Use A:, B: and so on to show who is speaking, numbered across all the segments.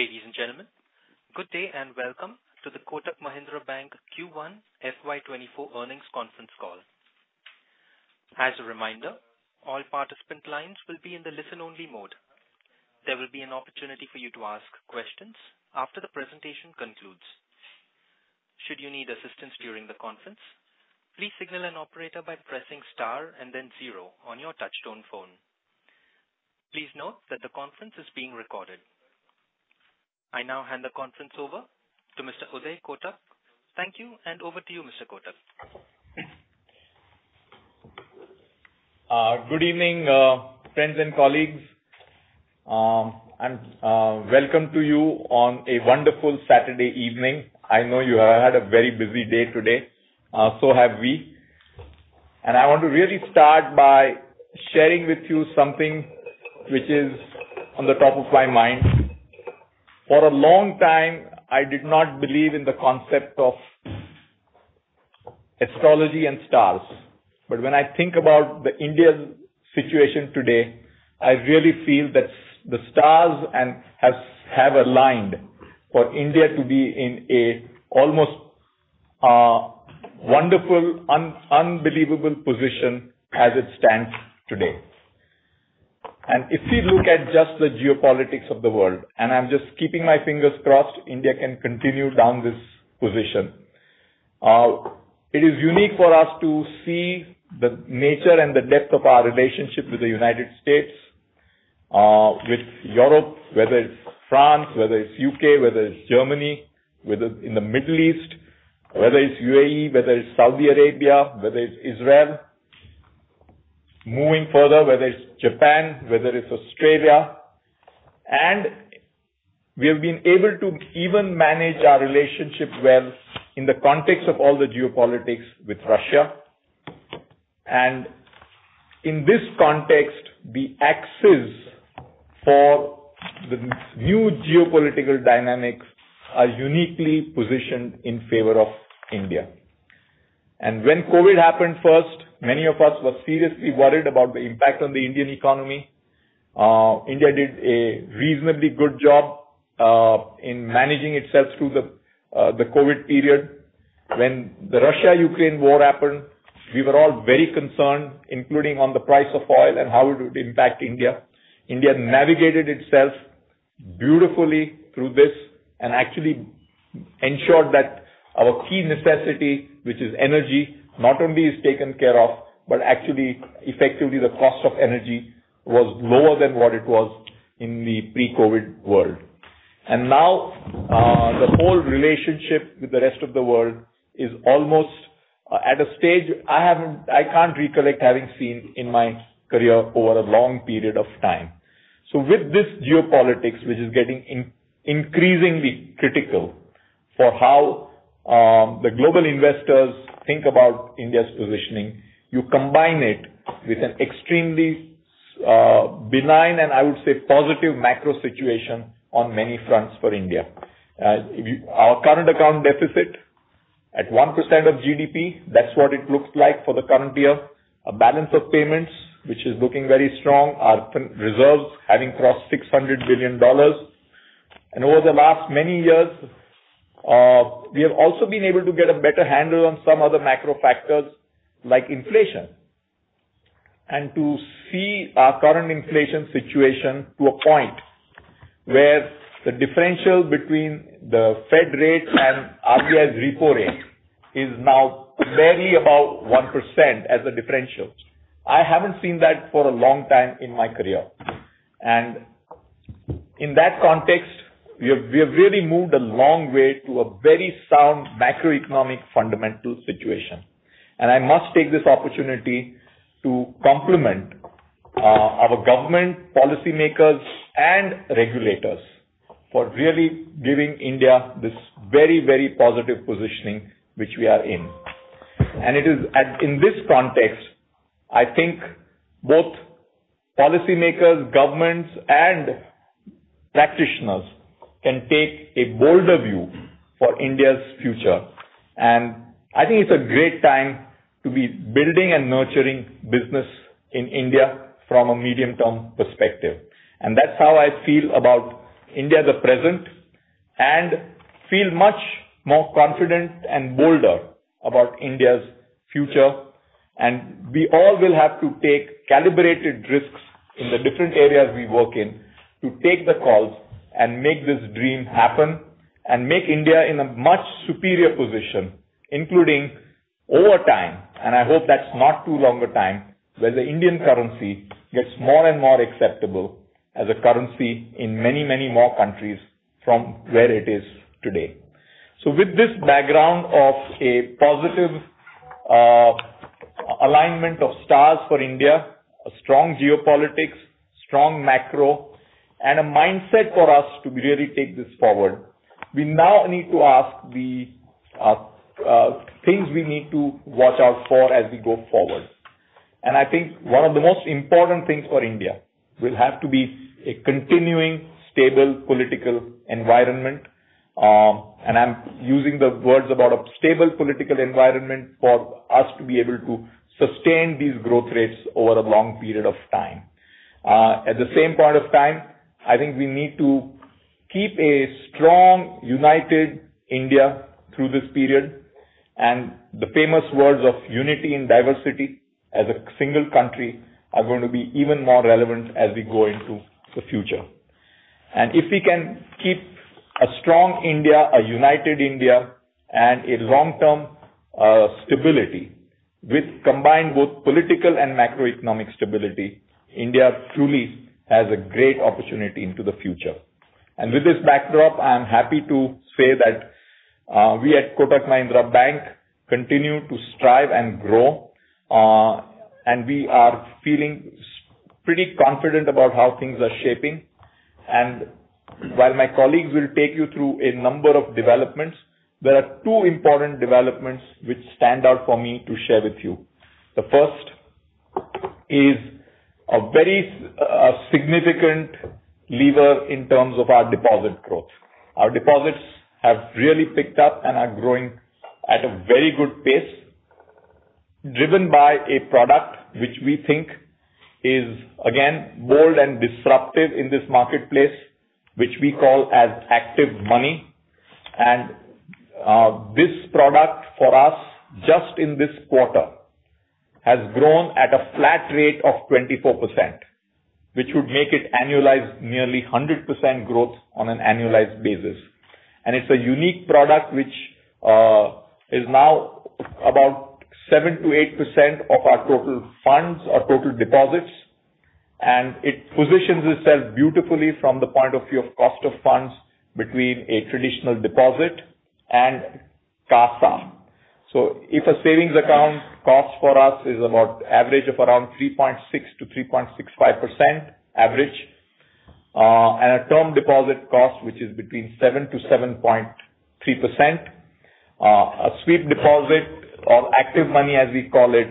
A: Ladies and gentlemen, good day and welcome to the Kotak Mahindra Bank Q1 FY24 earnings conference call. As a reminder, all participant lines will be in the listen-only mode. There will be an opportunity for you to ask questions after the presentation concludes. Should you need assistance during the conference, please signal an operator by pressing Star and then 0 on your touchtone phone. Please note that the conference is being recorded. I now hand the conference over to Mr. Uday Kotak. Thank you. Over to you, Mr. Kotak.
B: Good evening, friends and colleagues, and welcome to you on a wonderful Saturday evening. I know you have had a very busy day today, so have we. I want to really start by sharing with you something which is on the top of my mind. For a long time, I did not believe in the concept of astrology and stars, but when I think about the India's situation today, I really feel that the stars have aligned for India to be in a almost wonderful, unbelievable position as it stands today. If we look at just the geopolitics of the world, and I'm just keeping my fingers crossed, India can continue down this position. It is unique for us to see the nature and the depth of our relationship with the United States, with Europe, whether it's France, whether it's UK, whether it's Germany, whether in the Middle East, whether it's UAE, whether it's Saudi Arabia, whether it's Israel. Moving further, whether it's Japan, whether it's Australia, we have been able to even manage our relationship well in the context of all the geopolitics with Russia. In this context, the axes for the new geopolitical dynamics are uniquely positioned in favor of India. When COVID happened first, many of us were seriously worried about the impact on the Indian economy. India did a reasonably good job in managing itself through the COVID period. When the Russia-Ukraine war happened, we were all very concerned, including on the price of oil and how it would impact India. India navigated itself beautifully through this and actually ensured that our key necessity, which is energy, not only is taken care of, but actually effectively the cost of energy was lower than what it was in the pre-COVID world. Now, the whole relationship with the rest of the world is almost at a stage I can't recollect having seen in my career over a long period of time. With this geopolitics, which is getting increasingly critical for how the global investors think about India's positioning, you combine it with an extremely benign, and I would say positive macro situation on many fronts for India. Our current account deficit at 1% of GDP, that's what it looks like for the current year. A balance of payments, which is looking very strong. Our reserves having crossed $600 billion. Over the last many years, we have also been able to get a better handle on some other macro factors like inflation, and to see our current inflation situation to a point where the differential between the Fed rate and RBI's repo rate is now barely about 1% as a differential. I haven't seen that for a long time in my career. In that context, we have really moved a long way to a very sound macroeconomic fundamental situation. I must take this opportunity to compliment, our government policymakers and regulators for really giving India this very, very positive positioning which we are in. It is at, in this context, I think both policymakers, governments, and practitioners can take a bolder view for India's future. I think it's a great time to be building and nurturing business in India from a medium-term perspective. That's how I feel about India at the present, and feel much more confident and bolder about India's future. We all will have to take calibrated risks in the different areas we work in to take the calls and make this dream happen, and make India in a much superior position, including over time. I hope that's not too long a time, where the Indian currency gets more and more acceptable as a currency in many, many more countries from where it is today. With this background of a positive alignment of stars for India, a strong geopolitics, strong macro, and a mindset for us to really take this forward, we now need to ask the things we need to watch out for as we go forward. I think one of the most important things for India will have to be a continuing, stable political environment, and I'm using the words about a stable political environment for us to be able to sustain these growth rates over a long period of time. At the same point of time, I think we need to keep a strong, united India through this period, and the famous words of unity and diversity as a single country are going to be even more relevant as we go into the future. If we can keep a strong India, a united India, and a long-term stability, which combined with political and macroeconomic stability, India truly has a great opportunity into the future. With this backdrop, I'm happy to say that we at Kotak Mahindra Bank continue to strive and grow, and we are feeling pretty confident about how things are shaping. While my colleagues will take you through a number of developments, there are two important developments which stand out for me to share with you. The first is a very significant lever in terms of our deposit growth. Our deposits have really picked up and are growing at a very good pace, driven by a product which we think is, again, bold and disruptive in this marketplace, which we call as ActivMoney. This product for us, just in this quarter, has grown at a flat rate of 24%, which would make it annualized nearly 100% growth on an annualized basis. It's a unique product which is now about 7%-8% of our total funds, our total deposits, and it positions itself beautifully from the point of view of cost of funds between a traditional deposit and CASA. If a savings account cost for us is about average of around 3.6%-3.65%, average, and a term deposit cost, which is between 7%-7.3%, a sweep deposit or ActivMoney, as we call it,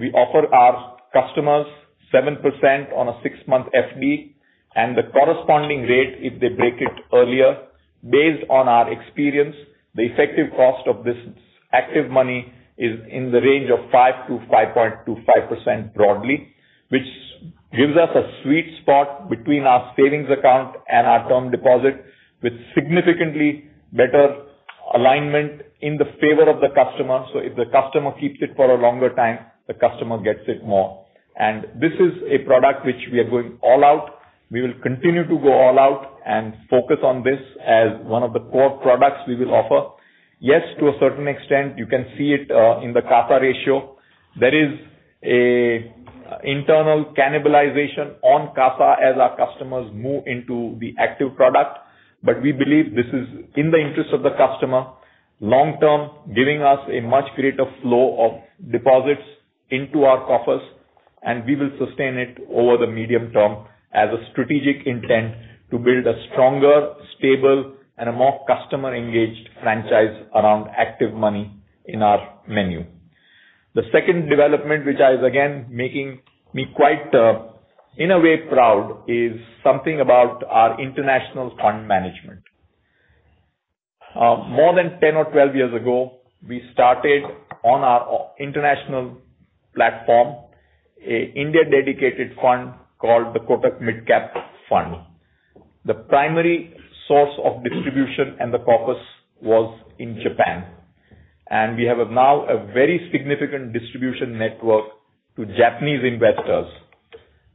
B: we offer our customers 7% on a 6-month FD and the corresponding rate if they break it earlier. Based on our experience, the effective cost of this ActivMoney is in the range of 5% to 5.25% broadly, which gives us a sweet spot between our savings account and our term deposit, with significantly better alignment in the favor of the customer. If the customer keeps it for a longer time, the customer gets it more. This is a product which we are going all out. We will continue to go all out and focus on this as one of the core products we will offer. Yes, to a certain extent, you can see it in the CASA ratio. There is an internal cannibalization on CASA as our customers move into the Active product, but we believe this is in the interest of the customer, long term, giving us a much greater flow of deposits into our coffers, and we will sustain it over the medium term as a strategic intent to build a stronger, stable, and a more customer-engaged franchise around ActivMoney in our menu. The second development, which is again making me quite in a way proud, is something about our international fund management. More than 10 or 12 years ago, we started on our international platform, an India-dedicated fund called the Kotak Midcap Fund. The primary source of distribution and the focus was in Japan, and we have now a very significant distribution network to Japanese investors.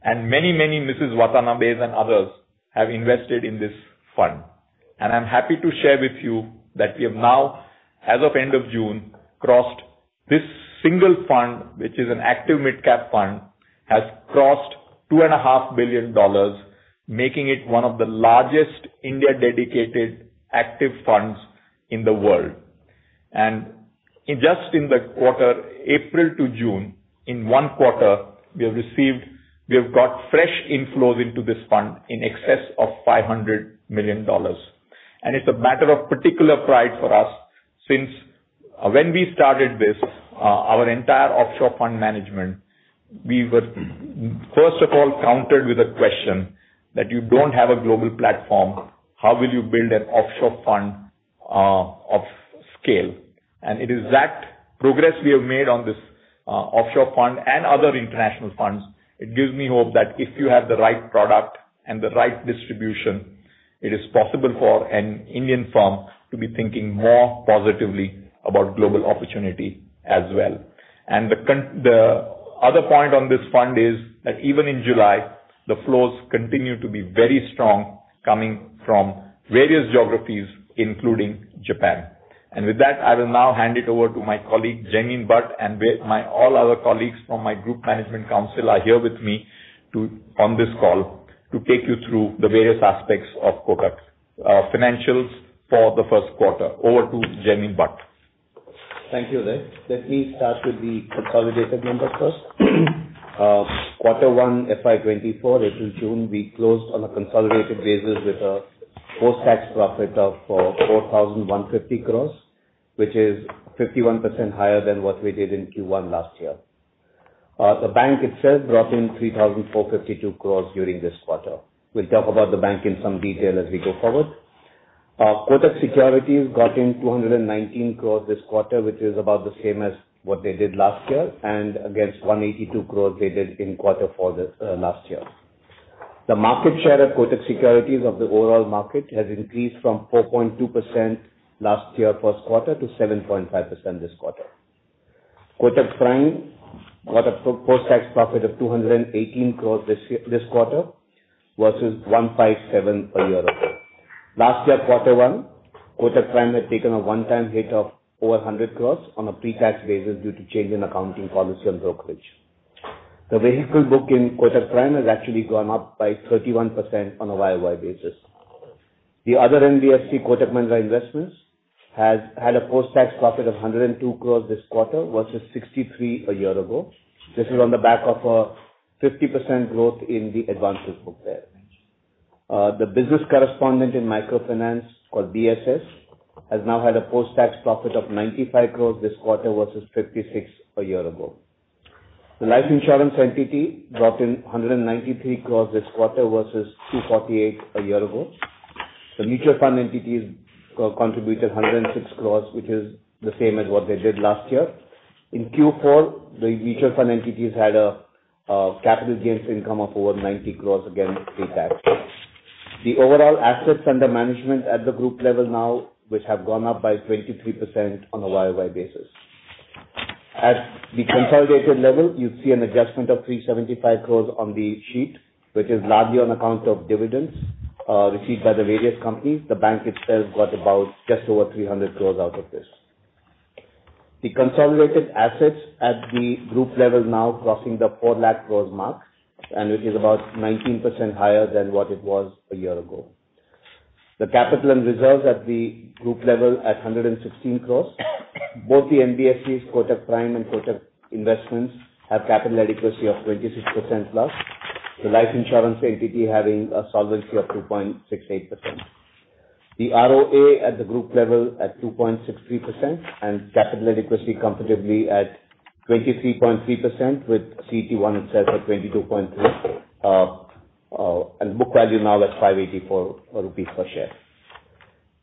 B: Many Mrs. Watanabe's and others have invested in this fund. I'm happy to share with you that we have now, as of end of June, crossed this single fund, which is an active midcap fund, has crossed two and a half billion dollars, making it one of the largest India-dedicated active funds in the world. In just in the quarter, April to June, in one quarter, we have got fresh inflows into this fund in excess of $500 million. It's a matter of particular pride for us since, when we started this, our entire offshore fund management, we were, first of all, countered with a question that you don't have a global platform, how will you build an offshore fund of scale? It is that progress we have made on this offshore fund and other international funds, it gives me hope that if you have the right product and the right distribution, it is possible for an Indian firm to be thinking more positively about global opportunity as well. The other point on this fund is that even in July, the flows continue to be very strong, coming from various geographies, including Japan. With that, I will now hand it over to my colleague, Jaimin Bhatt, and with my all other colleagues from my group management council are here with me to, on this call, to take you through the various aspects of Kotak's financials for the first quarter. Over to Jaimin Bhatt.
C: Thank you, Uday. Let me start with the consolidated numbers first. quarter one, FY24, it is June, we closed on a consolidated basis with a post-tax profit of 4,150 crores, which is 51% higher than what we did in Q1 last year. The bank itself brought in 3,452 crores during this quarter. We'll talk about the bank in some detail as we go forward. Kotak Securities got in 219 crores this quarter, which is about the same as what they did last year, and against 182 crores they did in quarter for the last year. The market share of Kotak Securities of the overall market has increased from 4.2% last year, first quarter, to 7.5% this quarter. Kotak Prime got a post-tax profit of 218 crores this year, this quarter, versus 157 a year ago. Last year, quarter one, Kotak Prime had taken a one-time hit of over 100 crores on a pre-tax basis due to change in accounting policy on brokerage. The vehicle book in Kotak Prime has actually gone up by 31% on a YOY basis. The other NBFC, Kotak Mahindra Investments, has had a post-tax profit of 102 crores this quarter, versus 63 a year ago. This is on the back of a 50% growth in the advances book there. The business correspondent in microfinance, called BSS, has now had a post-tax profit of 95 crores this quarter, versus 56 a year ago. The life insurance entity brought in 193 crores this quarter, versus 248 a year ago. The mutual fund entity contributed 106 crores, which is the same as what they did last year. In Q4, the mutual fund entities had a capital gains income of over 90 crores against pre-tax. The overall assets under management at the group level now, which have gone up by 23% on a YOY basis. At the consolidated level, you see an adjustment of 375 crores on the sheet, which is largely on account of dividends received by the various companies. The bank itself got about just over 300 crores out of this. The consolidated assets at the group level now crossing the 4 lakh crores mark, and it is about 19% higher than what it was a year ago. The capital and reserves at the group level at 116 crores. Both the NBFCs, Kotak Prime and Kotak Investments, have capital adequacy of 26%+, the life insurance entity having a solvency of 2.68%. The ROA at the group level at 2.63% and capital adequacy comfortably at 23.3%, with CET1 itself at 22.3%, and book value now at 584 rupees per share.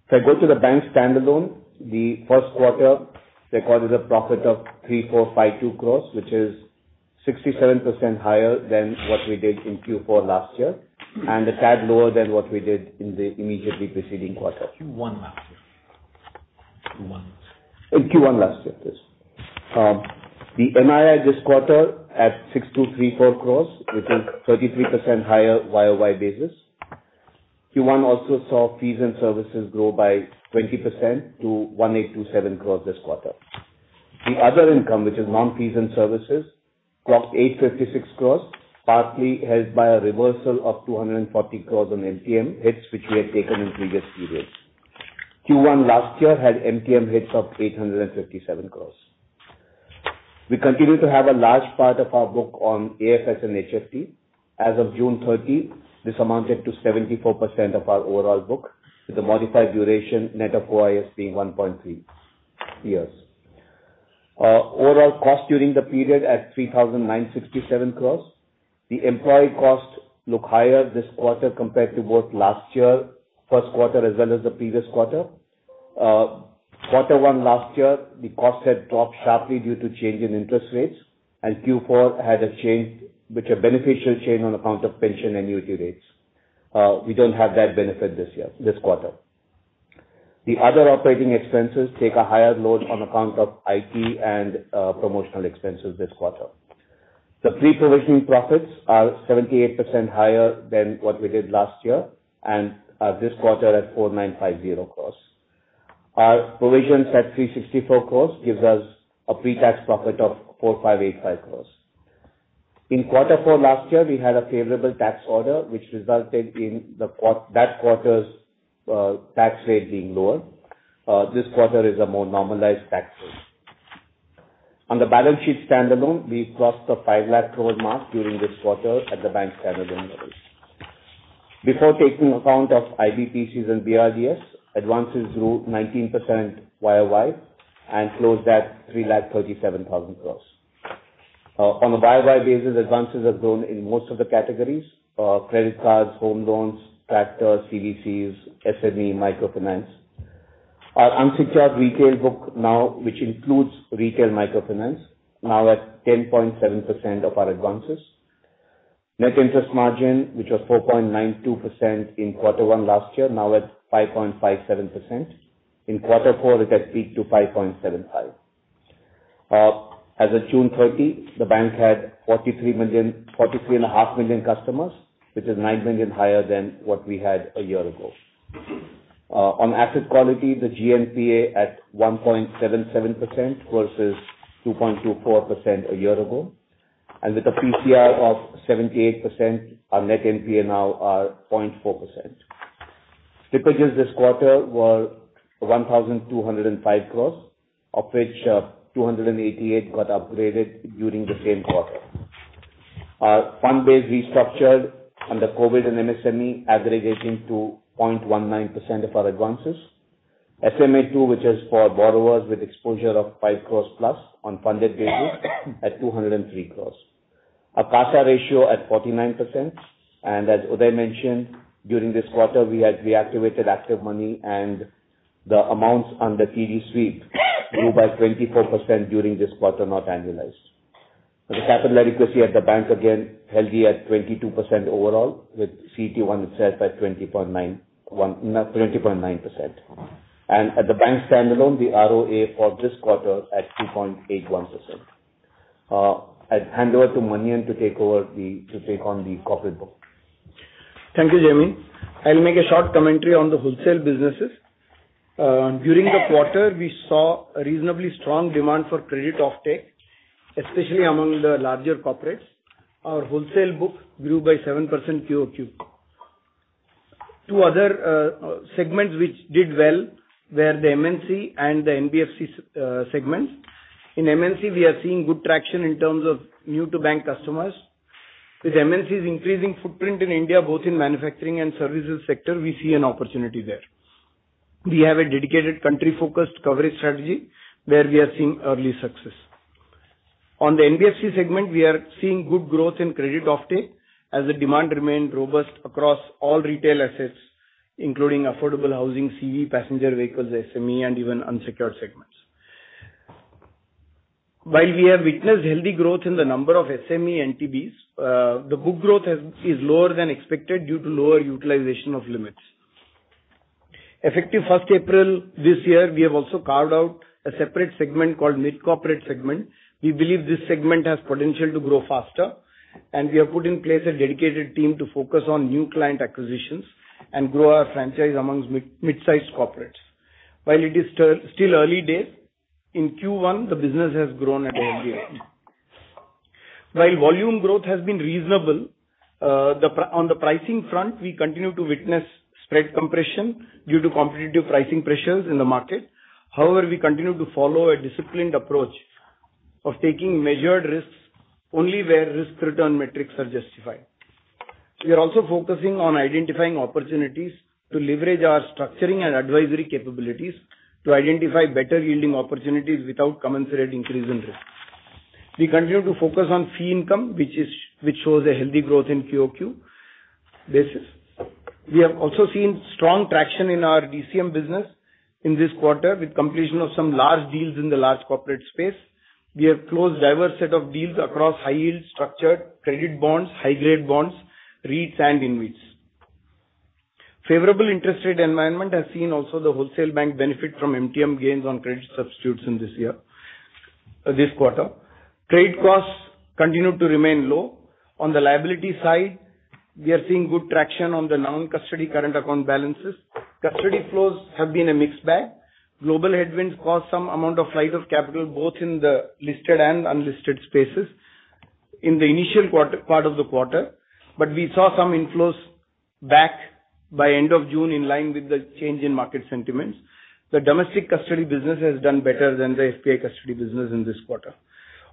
C: If I go to the bank standalone, the first quarter recorded a profit of 3,452 crore, which is 67% higher than what we did in Q4 last year, and a tad lower than what we did in the immediately preceding quarter. Q1 last year. Q1. In Q1 last year, yes. The NII this quarter at 6,234 crore, which is 33% higher YOY basis. Q1 also saw fees and services grow by 20% to 1,827 crore this quarter. The other income, which is non-fees and services, clocked 856 crore, partly helped by a reversal of 240 crore on MTM hits, which we had taken in previous periods. Q1 last year had MTM hits of 857 crore. We continue to have a large part of our book on AFS and HFT. As of June 13th, this amounted to 74% of our overall book, with a modified duration net of OI being 1.3 years. Overall cost during the period at 3,967 crore. The employee costs look higher this quarter compared to both last year, first quarter, as well as the previous quarter. Quarter one last year, the cost had dropped sharply due to change in interest rates, and Q4 had a change, which a beneficial change on account of pension annuity rates. We don't have that benefit this year, this quarter. The other operating expenses take a higher load on account of IT and promotional expenses this quarter. The pre-provision profits are 78% higher than what we did last year and this quarter at 4,950 crores. Our provisions at 364 crores gives us a pre-tax profit of 4,585 crores. In quarter four last year, we had a favorable tax order, which resulted in that quarter's tax rate being lower. This quarter is a more normalized tax rate. On the balance sheet standalone, we crossed the 5 lakh crore mark during this quarter at the bank's standalone levels. Before taking account of IBPCs and BRDS, advances grew 19% YOY and closed at 3,37,000 crore. On a YOY basis, advances have grown in most of the categories: credit cards, home loans, tractors, CVs, SME, microfinance. Our unsecured retail book now, which includes retail microfinance, now at 10.7% of our advances. Net interest margin, which was 4.92% in Q1 last year, now at 5.57%. In Q4, it had peaked to 5.75%. As of June 30, the bank had 43 million, 43.5 million customers, which is 9 million higher than what we had a year ago. On asset quality, the GNPA at 1.77% versus 2.24% a year ago. With a PCR of 78%, our net NPA now are 0.4%. Stipulates this quarter were 1,205 crore, of which 288 got upgraded during the same quarter. Our fund base restructured under COVID and MSME aggregating to 0.19% of our advances. SMA-2, which is for borrowers with exposure of 5 crore plus on funded basis at 203 crore. Our CASA ratio at 49%. As Uday mentioned, during this quarter, we had reactivated ActivMoney and the amounts under TD Sweep grew by 24% during this quarter, not annualized. The capital adequacy at the bank, again, healthy at 22% overall, with CET-1 itself at 20.91, 20.9%. At the bank standalone, the ROA for this quarter at 2.81%. I'd hand over to Manian to take on the corporate book.
D: Thank you, Jaimin. I'll make a short commentary on the wholesale businesses. During the quarter, we saw a reasonably strong demand for credit offtake, especially among the larger corporates. Our wholesale book grew by 7% QOQ. Two other segments which did well were the MNC and the NBFC segments. In MNC, we are seeing good traction in terms of new-to-bank customers. With MNC's increasing footprint in India, both in manufacturing and services sector, we see an opportunity there. We have a dedicated country-focused coverage strategy, where we are seeing early success. On the NBFC segment, we are seeing good growth in credit offtake, as the demand remained robust across all retail assets, including affordable housing, CE, passenger vehicles, SME, and even unsecured segments. While we have witnessed healthy growth in the number of SME NTBs, the book growth is lower than expected due to lower utilization of limits. Effective first April this year, we have also carved out a separate segment called mid-corporate segment. We believe this segment has potential to grow faster, and we have put in place a dedicated team to focus on new client acquisitions and grow our franchise amongst mid-sized corporates. While it is still early days, in Q1, the business has grown at a healthy rate. While volume growth has been reasonable, on the pricing front, we continue to witness spread compression due to competitive pricing pressures in the market. However, we continue to follow a disciplined approach of taking measured risks only where risk-return metrics are justified. We are also focusing on identifying opportunities to leverage our structuring and advisory capabilities to identify better yielding opportunities without commensurate increase in risk. We continue to focus on fee income, which shows a healthy growth in QOQ basis. We have also seen strong traction in our DCM business in this quarter, with completion of some large deals in the large corporate space. We have closed diverse set of deals across high-yield structured credit bonds, high-grade bonds, REITs and InvITs. Favorable interest rate environment has seen also the wholesale bank benefit from MTM gains on credit substitutes in this year, this quarter. Trade costs continue to remain low. On the liability side, we are seeing good traction on the non-custody current account balances. Custody flows have been a mixed bag. Global headwinds caused some amount of flight of capital, both in the listed and unlisted spaces in the initial quarter, part of the quarter. We saw some inflows back by end of June, in line with the change in market sentiments. The domestic custody business has done better than the FPI custody business in this quarter.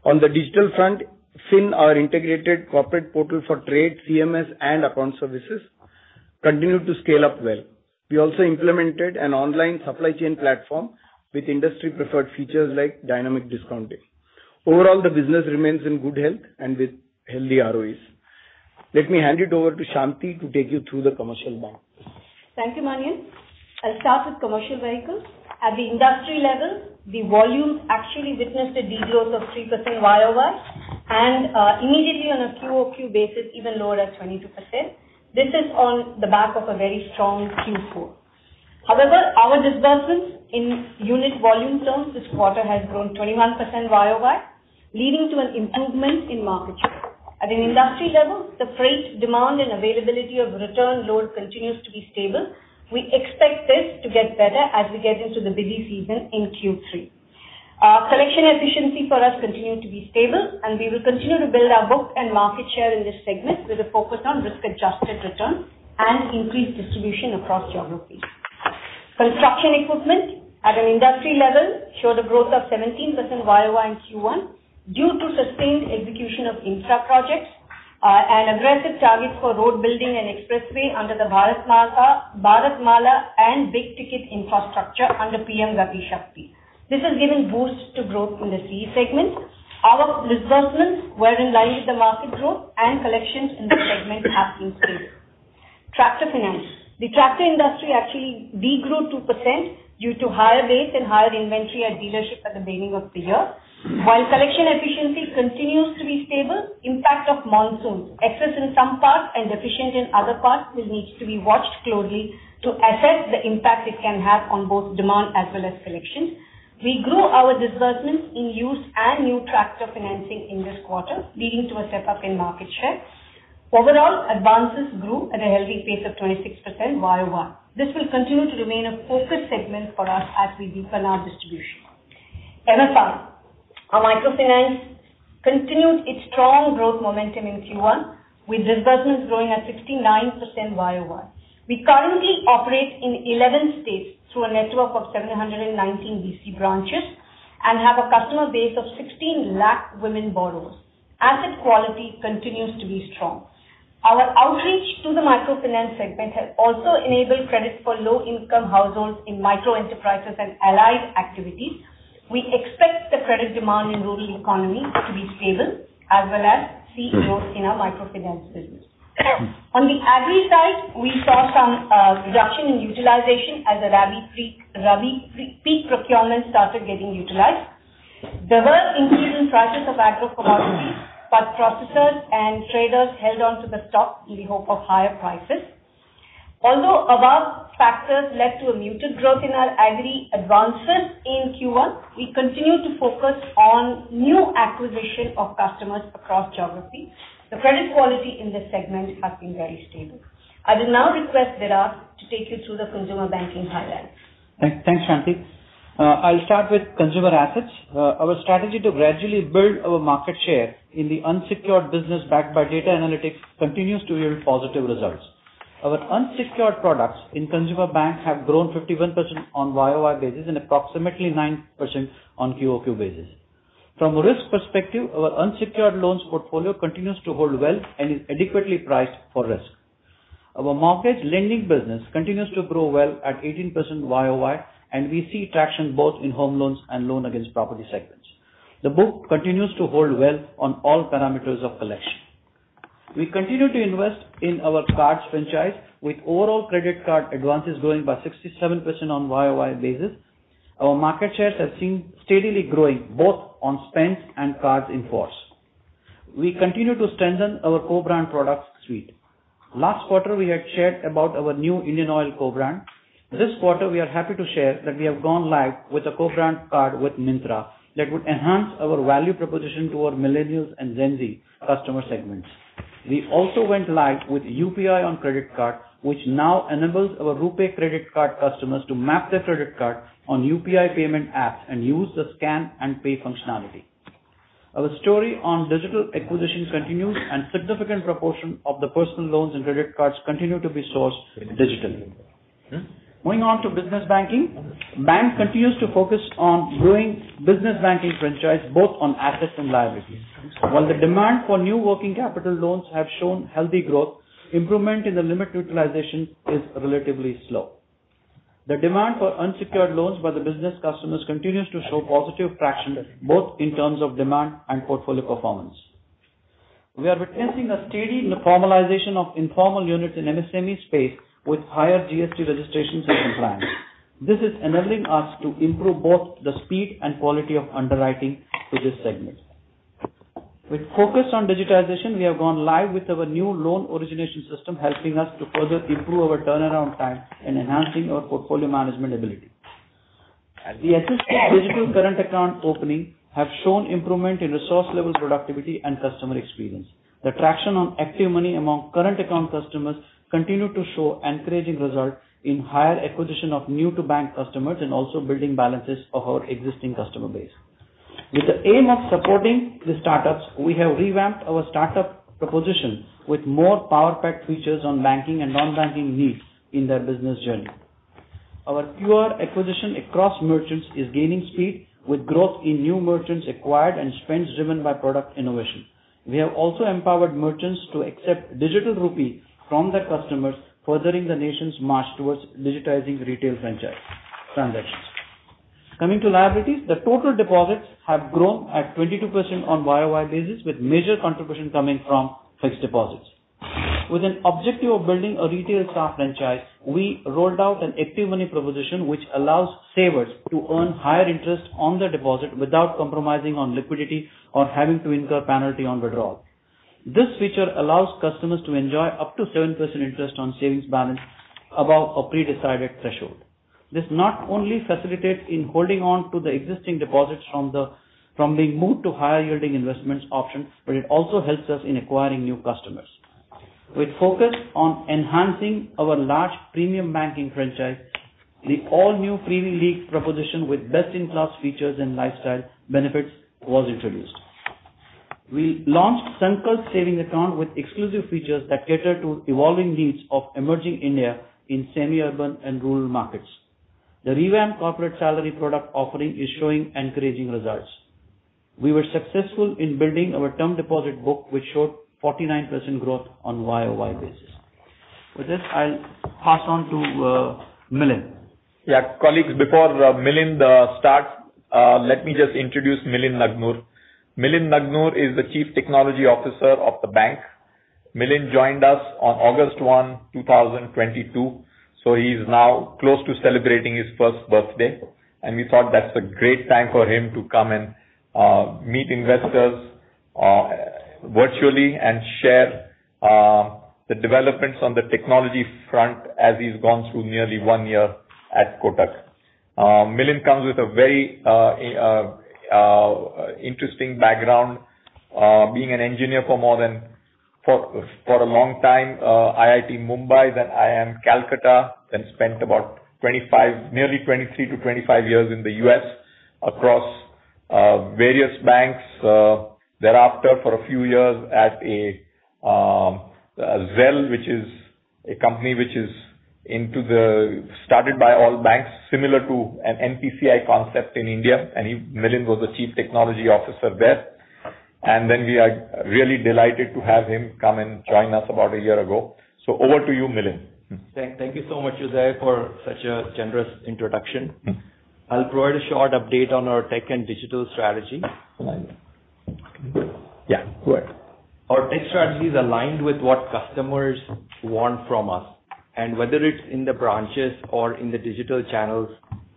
D: On the digital front, Kotak FYN, our integrated corporate portal for trade, CMS, and account services, continued to scale up well. We also implemented an online supply chain platform with industry-preferred features like dynamic discounting. Overall, the business remains in good health and with healthy ROEs. Let me hand it over to Shanti to take you through the commercial bank.
E: Thank you, Manian. I'll start with commercial vehicles. At the industry level, the volume actually witnessed a de-growth of 3% YOY and immediately on a QOQ basis, even lower at 22%. This is on the back of a very strong Q4. However, our disbursements in unit volume terms this quarter has grown 21% YOY, leading to an improvement in market share. At an industry level, the freight demand and availability of return load continues to be stable. We expect this to get better as we get into the busy season in Q3. Collection efficiency for us continued to be stable, and we will continue to build our book and market share in this segment with a focus on risk-adjusted return and increased distribution across geographies. Construction equipment at an industry level showed a growth of 17% YOY in Q1 due to sustained execution of infra projects, and aggressive targets for road building and expressway under the Bharatmala and big-ticket infrastructure under PM Gati Shakti. This is giving boost to growth in the CE segment. Our disbursements were in line with the market growth, and collections in this segment have been stable. Tractor finance. The tractor industry actually de-grew 2% due to higher rates and higher inventory at dealership at the beginning of the year. While collection efficiency continues to be stable, impact of monsoons, excess in some parts and deficient in other parts, will needs to be watched closely to assess the impact it can have on both demand as well as collection. We grew our disbursements in used and new tractor financing in this quarter, leading to a step-up in market share. Overall, advances grew at a healthy pace of 26% YOY. This will continue to remain a focus segment for us as we deepen our distribution. MFI. Our microfinance continued its strong growth momentum in Q1. With disbursements growing at 69% YOY. We currently operate in 11 states through a network of 719 BC branches, and have a customer base of 16 lakh women borrowers. Asset quality continues to be strong. Our outreach to the microfinance segment has also enabled credit for low-income households in micro enterprises and allied activities. We expect the credit demand in rural economy to be stable, as well as see growth in our microfinance business. On the agri side, we saw some reduction in utilization as the rabi peak procurement started getting utilized. There were increases in prices of agro commodities, but processors and traders held on to the stock in the hope of higher prices. Although above factors led to a muted growth in our agri advances in Q1, we continue to focus on new acquisition of customers across geography. The credit quality in this segment has been very stable. I will now request Virat to take you through the consumer banking highlights.
F: Thanks, Shanti. I'll start with consumer assets. Our strategy to gradually build our market share in the unsecured business backed by data analytics, continues to yield positive results. Our unsecured products in consumer bank have grown 51% on YOY basis and approximately 9% on QOQ basis. From a risk perspective, our unsecured loans portfolio continues to hold well and is adequately priced for risk. Our mortgage lending business continues to grow well at 18% YOY, and we see traction both in home loans and loan against property segments. The book continues to hold well on all parameters of collection. We continue to invest in our cards franchise, with overall credit card advances growing by 67% on YOY basis. Our market shares have seen steadily growing, both on spends and cards in force. We continue to strengthen our co-brand product suite. Last quarter, we had shared about our new Indian Oil co-brand. This quarter we are happy to share that we have gone live with a co-brand card with Myntra, that would enhance our value proposition to our millennials and Gen Z customer segments. We also went live with UPI on credit card, which now enables our RuPay credit card customers to map their credit card on UPI payment apps and use the scan and pay functionality. Our story on digital acquisition continues. Significant proportion of the personal loans and credit cards continue to be sourced digitally. Moving on to business banking. Bank continues to focus on growing business banking franchise, both on assets and liabilities. While the demand for new working capital loans have shown healthy growth, improvement in the limit utilization is relatively slow. The demand for unsecured loans by the business customers continues to show positive traction, both in terms of demand and portfolio performance. We are witnessing a steady formalization of informal units in MSME space with higher GST registrations and compliance. This is enabling us to improve both the speed and quality of underwriting to this segment. With focus on digitization, we have gone live with our new loan origination system, helping us to further improve our turnaround time and enhancing our portfolio management ability. The assisted digital current account opening have shown improvement in resource level productivity and customer experience. The traction on ActivMoney among current account customers continued to show encouraging results in higher acquisition of new-to-bank customers, and also building balances of our existing customer base. With the aim of supporting the startups, we have revamped our startup proposition with more power-packed features on banking and non-banking needs in their business journey. Our QR acquisition across merchants is gaining speed, with growth in new merchants acquired and spends driven by product innovation. We have also empowered merchants to accept digital rupee from their customers, furthering the nation's march towards digitizing retail franchise transactions. Coming to liabilities, the total deposits have grown at 22% on YOY basis, with major contribution coming from fixed deposits. With an objective of building a retail staff franchise, we rolled out an ActivMoney proposition, which allows savers to earn higher interest on their deposit without compromising on liquidity or having to incur penalty on withdrawal. This feature allows customers to enjoy up to 7% interest on savings balance above a pre-decided threshold. This not only facilitates in holding on to the existing deposits from being moved to higher yielding investments options. It also helps us in acquiring new customers. With focus on enhancing our large premium banking franchise, the all-new Privy League proposition with best-in-class features and lifestyle benefits was introduced. We launched Sankalp savings account with exclusive features that cater to evolving needs of emerging India in semi-urban and rural markets. The revamped corporate salary product offering is showing encouraging results. We were successful in building our term deposit book, which showed 49% growth on YOY basis. With this, I'll pass on to Milind.
G: Colleagues, before Milind starts, let me just introduce Milind Nagnur. Milind Nagnur is the Chief Technology Officer of the bank. Milind joined us on August 1, 2022, so he's now close to celebrating his first birthday, and we thought that's a great time for him to come and meet investors virtually and share the developments on the technology front as he's gone through nearly one year at Kotak. Milind comes with a very interesting background, being an engineer for a long time, IIT Bombay, then IIM Calcutta, then spent about 25, nearly 23-25 years in the U.S. across-... various banks, thereafter for a few years at a Zelle, which is a company which is into started by all banks, similar to an NPCI concept in India, he, Milind, was the Chief Technology Officer there. We are really delighted to have him come and join us about a year ago. Over to you, Milind.
H: Thank you so much, Jose, for such a generous introduction.
G: Mm-hmm.
H: I'll provide a short update on our tech and digital strategy.
G: Yeah, go ahead.
H: Our tech strategy is aligned with what customers want from us. Whether it's in the branches or in the digital channels,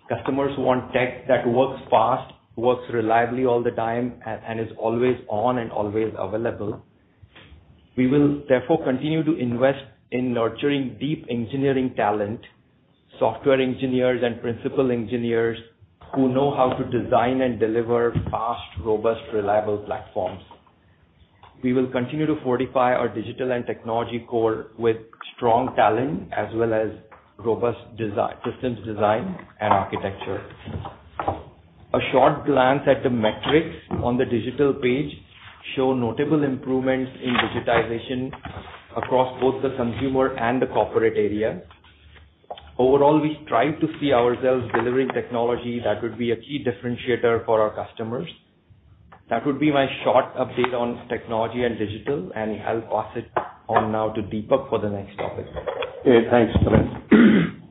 H: customers want tech that works fast, works reliably all the time, and is always on and always available. We will therefore continue to invest in nurturing deep engineering talent, software engineers and principal engineers, who know how to design and deliver fast, robust, reliable platforms. We will continue to fortify our digital and technology core with strong talent, as well as robust systems design and architecture. A short glance at the metrics on the digital page show notable improvements in digitization across both the consumer and the corporate area. We strive to see ourselves delivering technology that would be a key differentiator for our customers. That would be my short update on technology and digital, I'll pass it on now to Deepak for the next topic.
I: Yeah, thanks, Milind.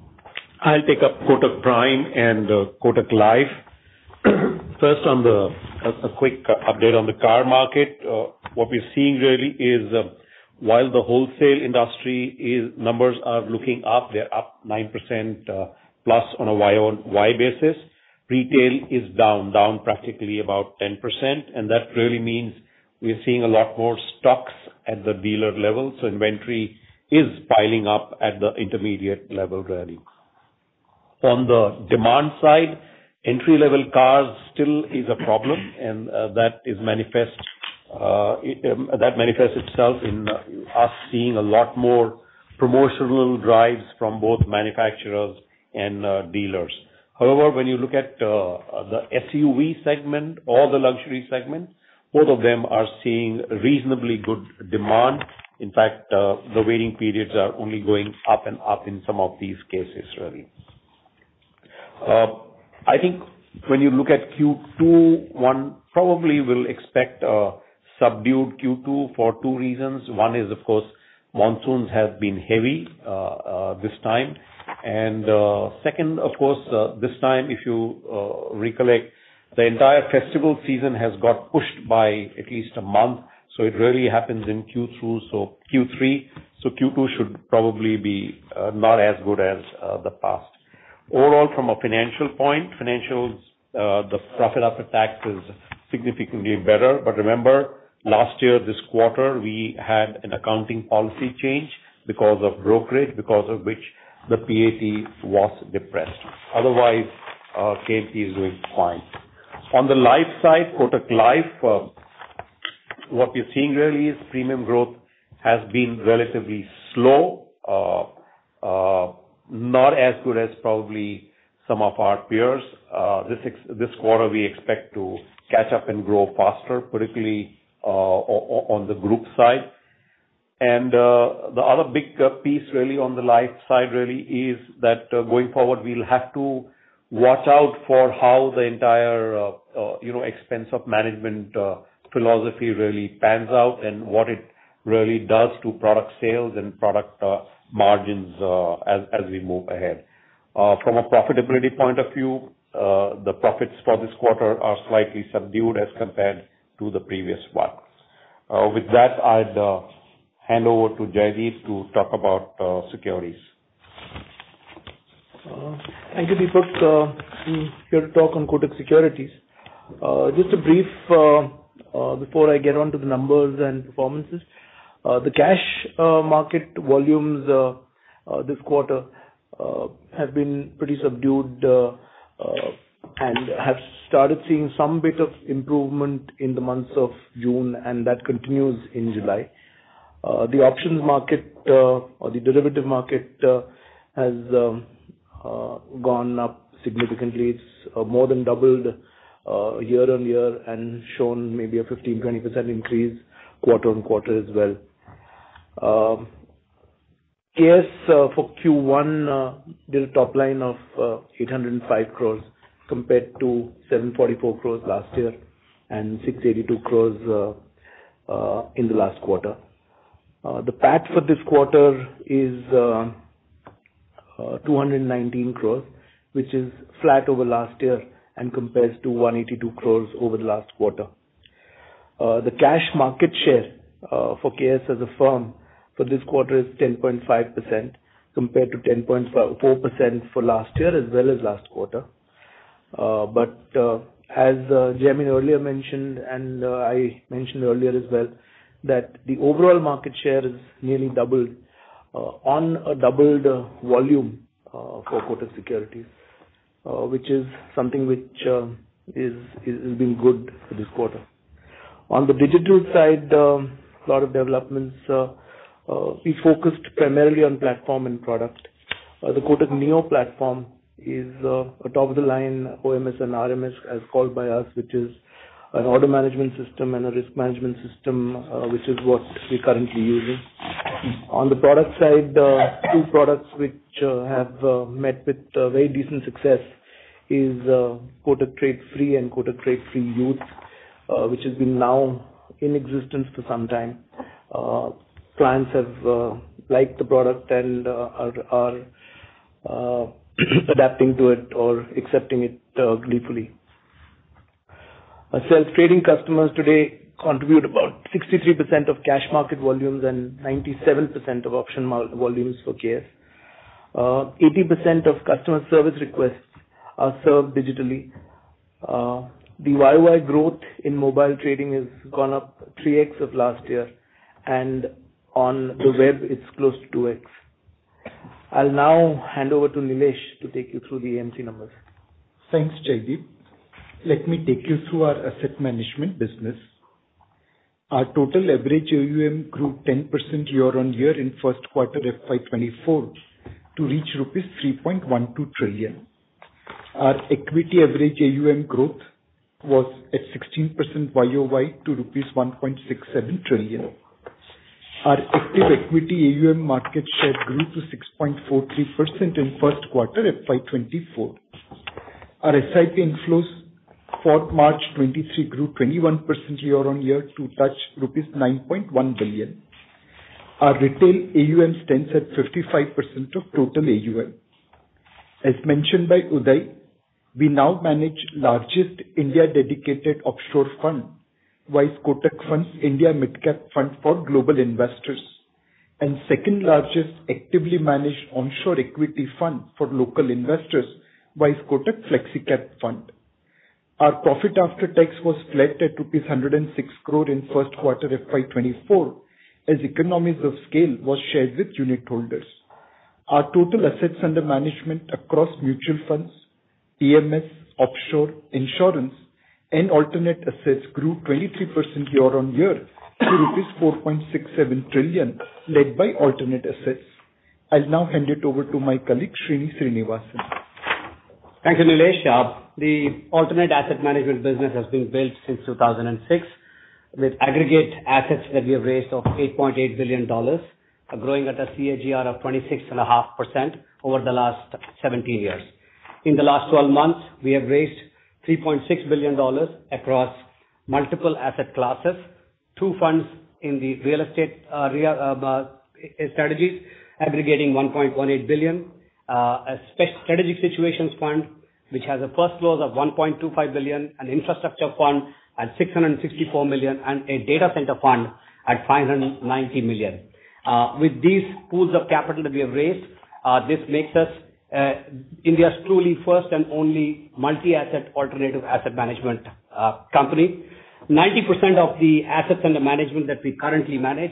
I: I'll take up Kotak Prime and Kotak Life. First, a quick update on the car market. What we're seeing really is, while the wholesale industry numbers are looking up, they're up 9% plus on a Y-o-Y basis. Retail is down practically about 10%. That really means we're seeing a lot more stocks at the dealer level, so inventory is piling up at the intermediate level really. On the demand side, entry-level cars still is a problem, that manifests itself in us seeing a lot more promotional drives from both manufacturers and dealers. However, when you look at the SUV segment or the luxury segment, both of them are seeing reasonably good demand. In fact, the waiting periods are only going up and up in some of these cases, really. I think when you look at Q2, one probably will expect a subdued Q2 for two reasons. One is, of course, monsoons have been heavy this time. Second, of course, this time, if you recollect, the entire festival season has got pushed by at least a month, so it really happens in Q2, so Q3. Q2 should probably be not as good as the past. Overall, from a financial point, financials, the profit after tax is significantly better. Remember, last year, this quarter, we had an accounting policy change because of brokerage, because of which the PAT was depressed. Otherwise, KAT is doing fine. On the life side, Kotak Life, what we're seeing really is premium growth has been relatively slow, not as good as probably some of our peers. This quarter, we expect to catch up and grow faster, particularly on the group side. The other big piece really on the life side really, is that going forward, we'll have to watch out for how the entire, you know, expense of management philosophy really pans out and what it really does to product sales and product margins as we move ahead. From a profitability point of view, the profits for this quarter are slightly subdued as compared to the previous ones. With that, I'd hand over to Jaideep to talk about securities.
J: Thank you, Deepak. Here to talk on Kotak Securities. Just a brief, before I get on to the numbers and performances. The cash market volumes this quarter have been pretty subdued and have started seeing some bit of improvement in the months of June, and that continues in July. The options market or the derivative market has gone up significantly. It's more than doubled year-on-year and shown maybe a 15%-20% increase quarter-on-quarter as well. KS for Q1 did a top line of 805 crores compared to 744 crores last year and 682 crores in the last quarter. The PAT for this quarter is 219 crores, which is flat over last year and compares to 182 crores over the last quarter. The cash market share for KS as a firm for this quarter is 10.5%, compared to 10.4% for last year as well as last quarter. As Jaimin earlier mentioned, and I mentioned earlier as well, that the overall market share has nearly doubled on a doubled volume for Kotak Securities, which is something which been good for this quarter. On the digital side, a lot of developments. We focused primarily on platform and product. The Kotak NEO platform is a top-of-the-line OMS and RMS, as called by us, which is an order management system and a risk management system, which is what we're currently using. On the product side, two products which have met with very decent success is Trade Free Plan and Trade Free Youth Plan, which has been now in existence for some time. Clients have liked the product and are adapting to it or accepting it gleefully. Our self-trading customers today contribute about 63% of cash market volumes and 97% of option volumes for KS. 80% of customer service requests are served digitally. The YOY growth in mobile trading has gone up 3x of last year, and on the web, it's close to 2x. I'll now hand over to Nilesh to take you through the AMC numbers.
K: Thanks, Jaideep. Let me take you through our asset management business. Our total average AUM grew 10% year-on-year in first quarter FY 2024, to reach rupees 3.12 trillion. Our equity average AUM growth was at 16% YOY to INR 1.67 trillion. Our active equity AUM market share grew to 6.43% in first quarter FY 2024. Our SIP inflows for March 2023 grew 21% year-on-year to touch rupees 9.1 billion. Our retail AUM stands at 55% of total AUM. As mentioned by Uday, we now manage largest India-dedicated offshore fund, wise Kotak Funds, India Midcap Fund for global investors. Second largest actively managed onshore equity fund for local investors by Kotak Flexicap Fund. Our profit after tax was flat at INR 106 crore in Q1 FY24, as economies of scale was shared with unit holders. Our total assets under management across mutual funds, PMS, offshore, insurance, and alternate assets grew 23% year-on-year, to rupees 4.67 trillion, led by alternate assets. I'll now hand it over to my colleague, S. Sriniwasan.
L: Thank you, Nilesh. The alternate asset management business has been built since 2006, with aggregate assets that we have raised of $8.8 billion, growing at a CAGR of 26.5% over the last 17 years. In the last 12 months, we have raised $3.6 billion across multiple asset classes, 2 funds in the real estate strategies, aggregating $1.18 billion. A strategic situations fund, which has a first close of $1.25 billion, an infrastructure fund at $664 million, and a data center fund at $590 million. With these pools of capital that we have raised, this makes us India's truly first and only multi-asset, alternative asset management company. 90% of the assets under management that we currently manage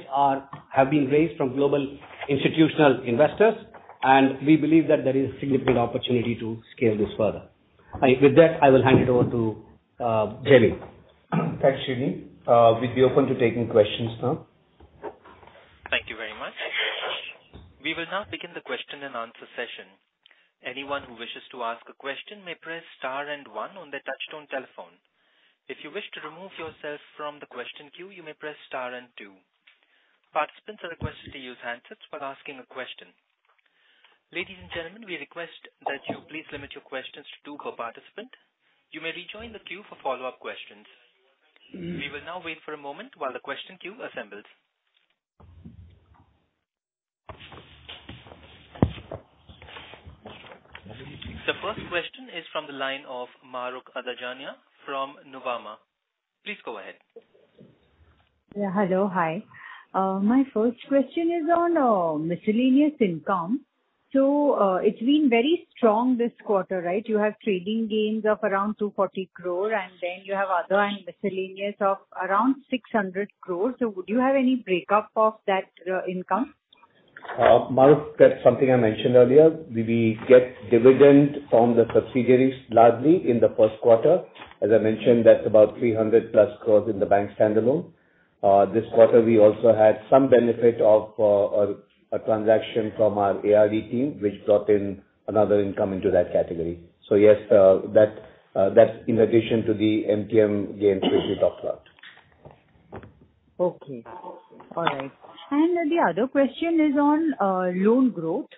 L: have been raised from global institutional investors, and we believe that there is significant opportunity to scale this further. With that, I will hand it over to Jerry.
M: Thanks, Srini. We'd be open to taking questions now.
A: Thank you very much. We will now begin the question and answer session. Anyone who wishes to ask a question may press star and 1 on their touchtone telephone. If you wish to remove yourself from the question queue, you may press star and 2. Participants are requested to use handsets while asking a question. Ladies and gentlemen, we request that you please limit your questions to 2 per participant. You may rejoin the queue for follow-up questions. We will now wait for a moment while the question queue assembles. The first question is from the line of Mahrukh Adajania from Nuvama. Please go ahead.
N: Yeah. Hello, hi. My first question is on miscellaneous income. It's been very strong this quarter, right? You have trading gains of around 240 crore, and then you have other and miscellaneous of around 600 crore. Would you have any breakup of that income?
L: Mahrukh, that's something I mentioned earlier. We get dividend from the subsidiaries, largely in the first quarter. As I mentioned, that's about 300+ crores in the bank standalone. This quarter, we also had some benefit of a transaction from our ARD team, which brought in another income into that category. Yes, that's in addition to the MTM gains, which we talked about.
N: Okay. All right. The other question is on loan growth.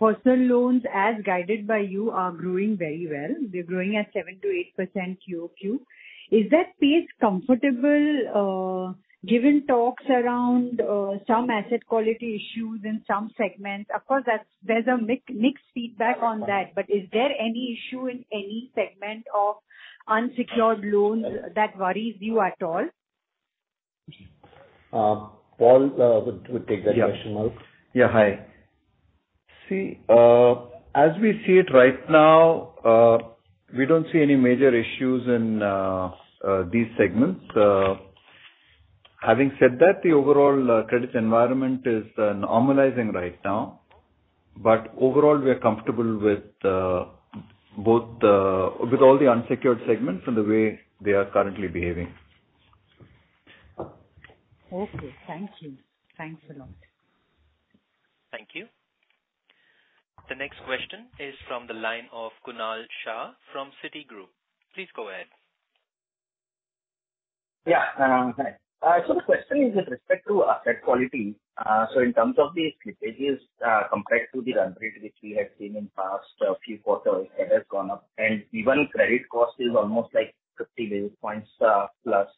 N: Personal loans, as guided by you, are growing very well. They're growing at 7%-8% QOQ. Is that pace comfortable, given talks around some asset quality issues in some segments? Of course, there's a mixed feedback on that, but is there any issue in any segment of unsecured loans that worries you at all?
L: Paul would take that question, Mahrukh.
O: Yeah. Yeah, hi. See, as we see it right now, we don't see any major issues in these segments. Having said that, the overall credit environment is normalizing right now. Overall, we are comfortable with all the unsecured segments and the way they are currently behaving.
N: Okay, thank you. Thanks a lot.
A: Thank you. The next question is from the line of Kunal Shah from Citigroup. Please go ahead.
P: Hi. The question is with respect to asset quality. In terms of the slippages, compared to the run rate, which we had seen in past few quarters, it has gone up, and even credit cost is almost like 50 basis points plus.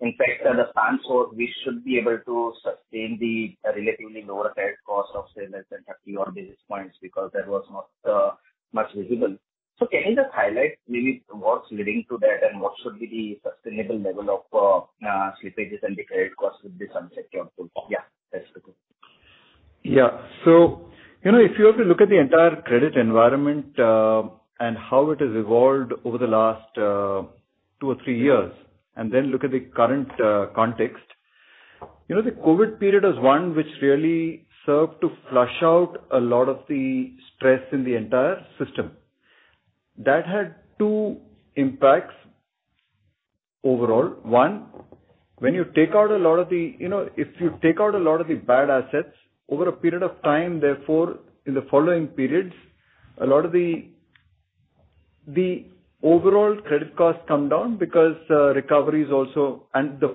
P: In fact, at the stance of, we should be able to sustain the relatively lower credit cost of, say, less than 31 basis points, because that was not much visible. Can you just highlight maybe what's leading to that, and what should be the sustainable level of slippages and the credit costs with this unsecured pool? That's good.
C: Yeah. You know, if you were to look at the entire credit environment, and how it has evolved over the last 2 or 3 years. Then look at the current context, you know, the COVID period was one which really served to flush out a lot of the stress in the entire system. That had 2 impacts overall. One, when you take out a lot of the. You know, if you take out a lot of the bad assets over a period of time, therefore, in the following periods, a lot of the overall credit costs come down because the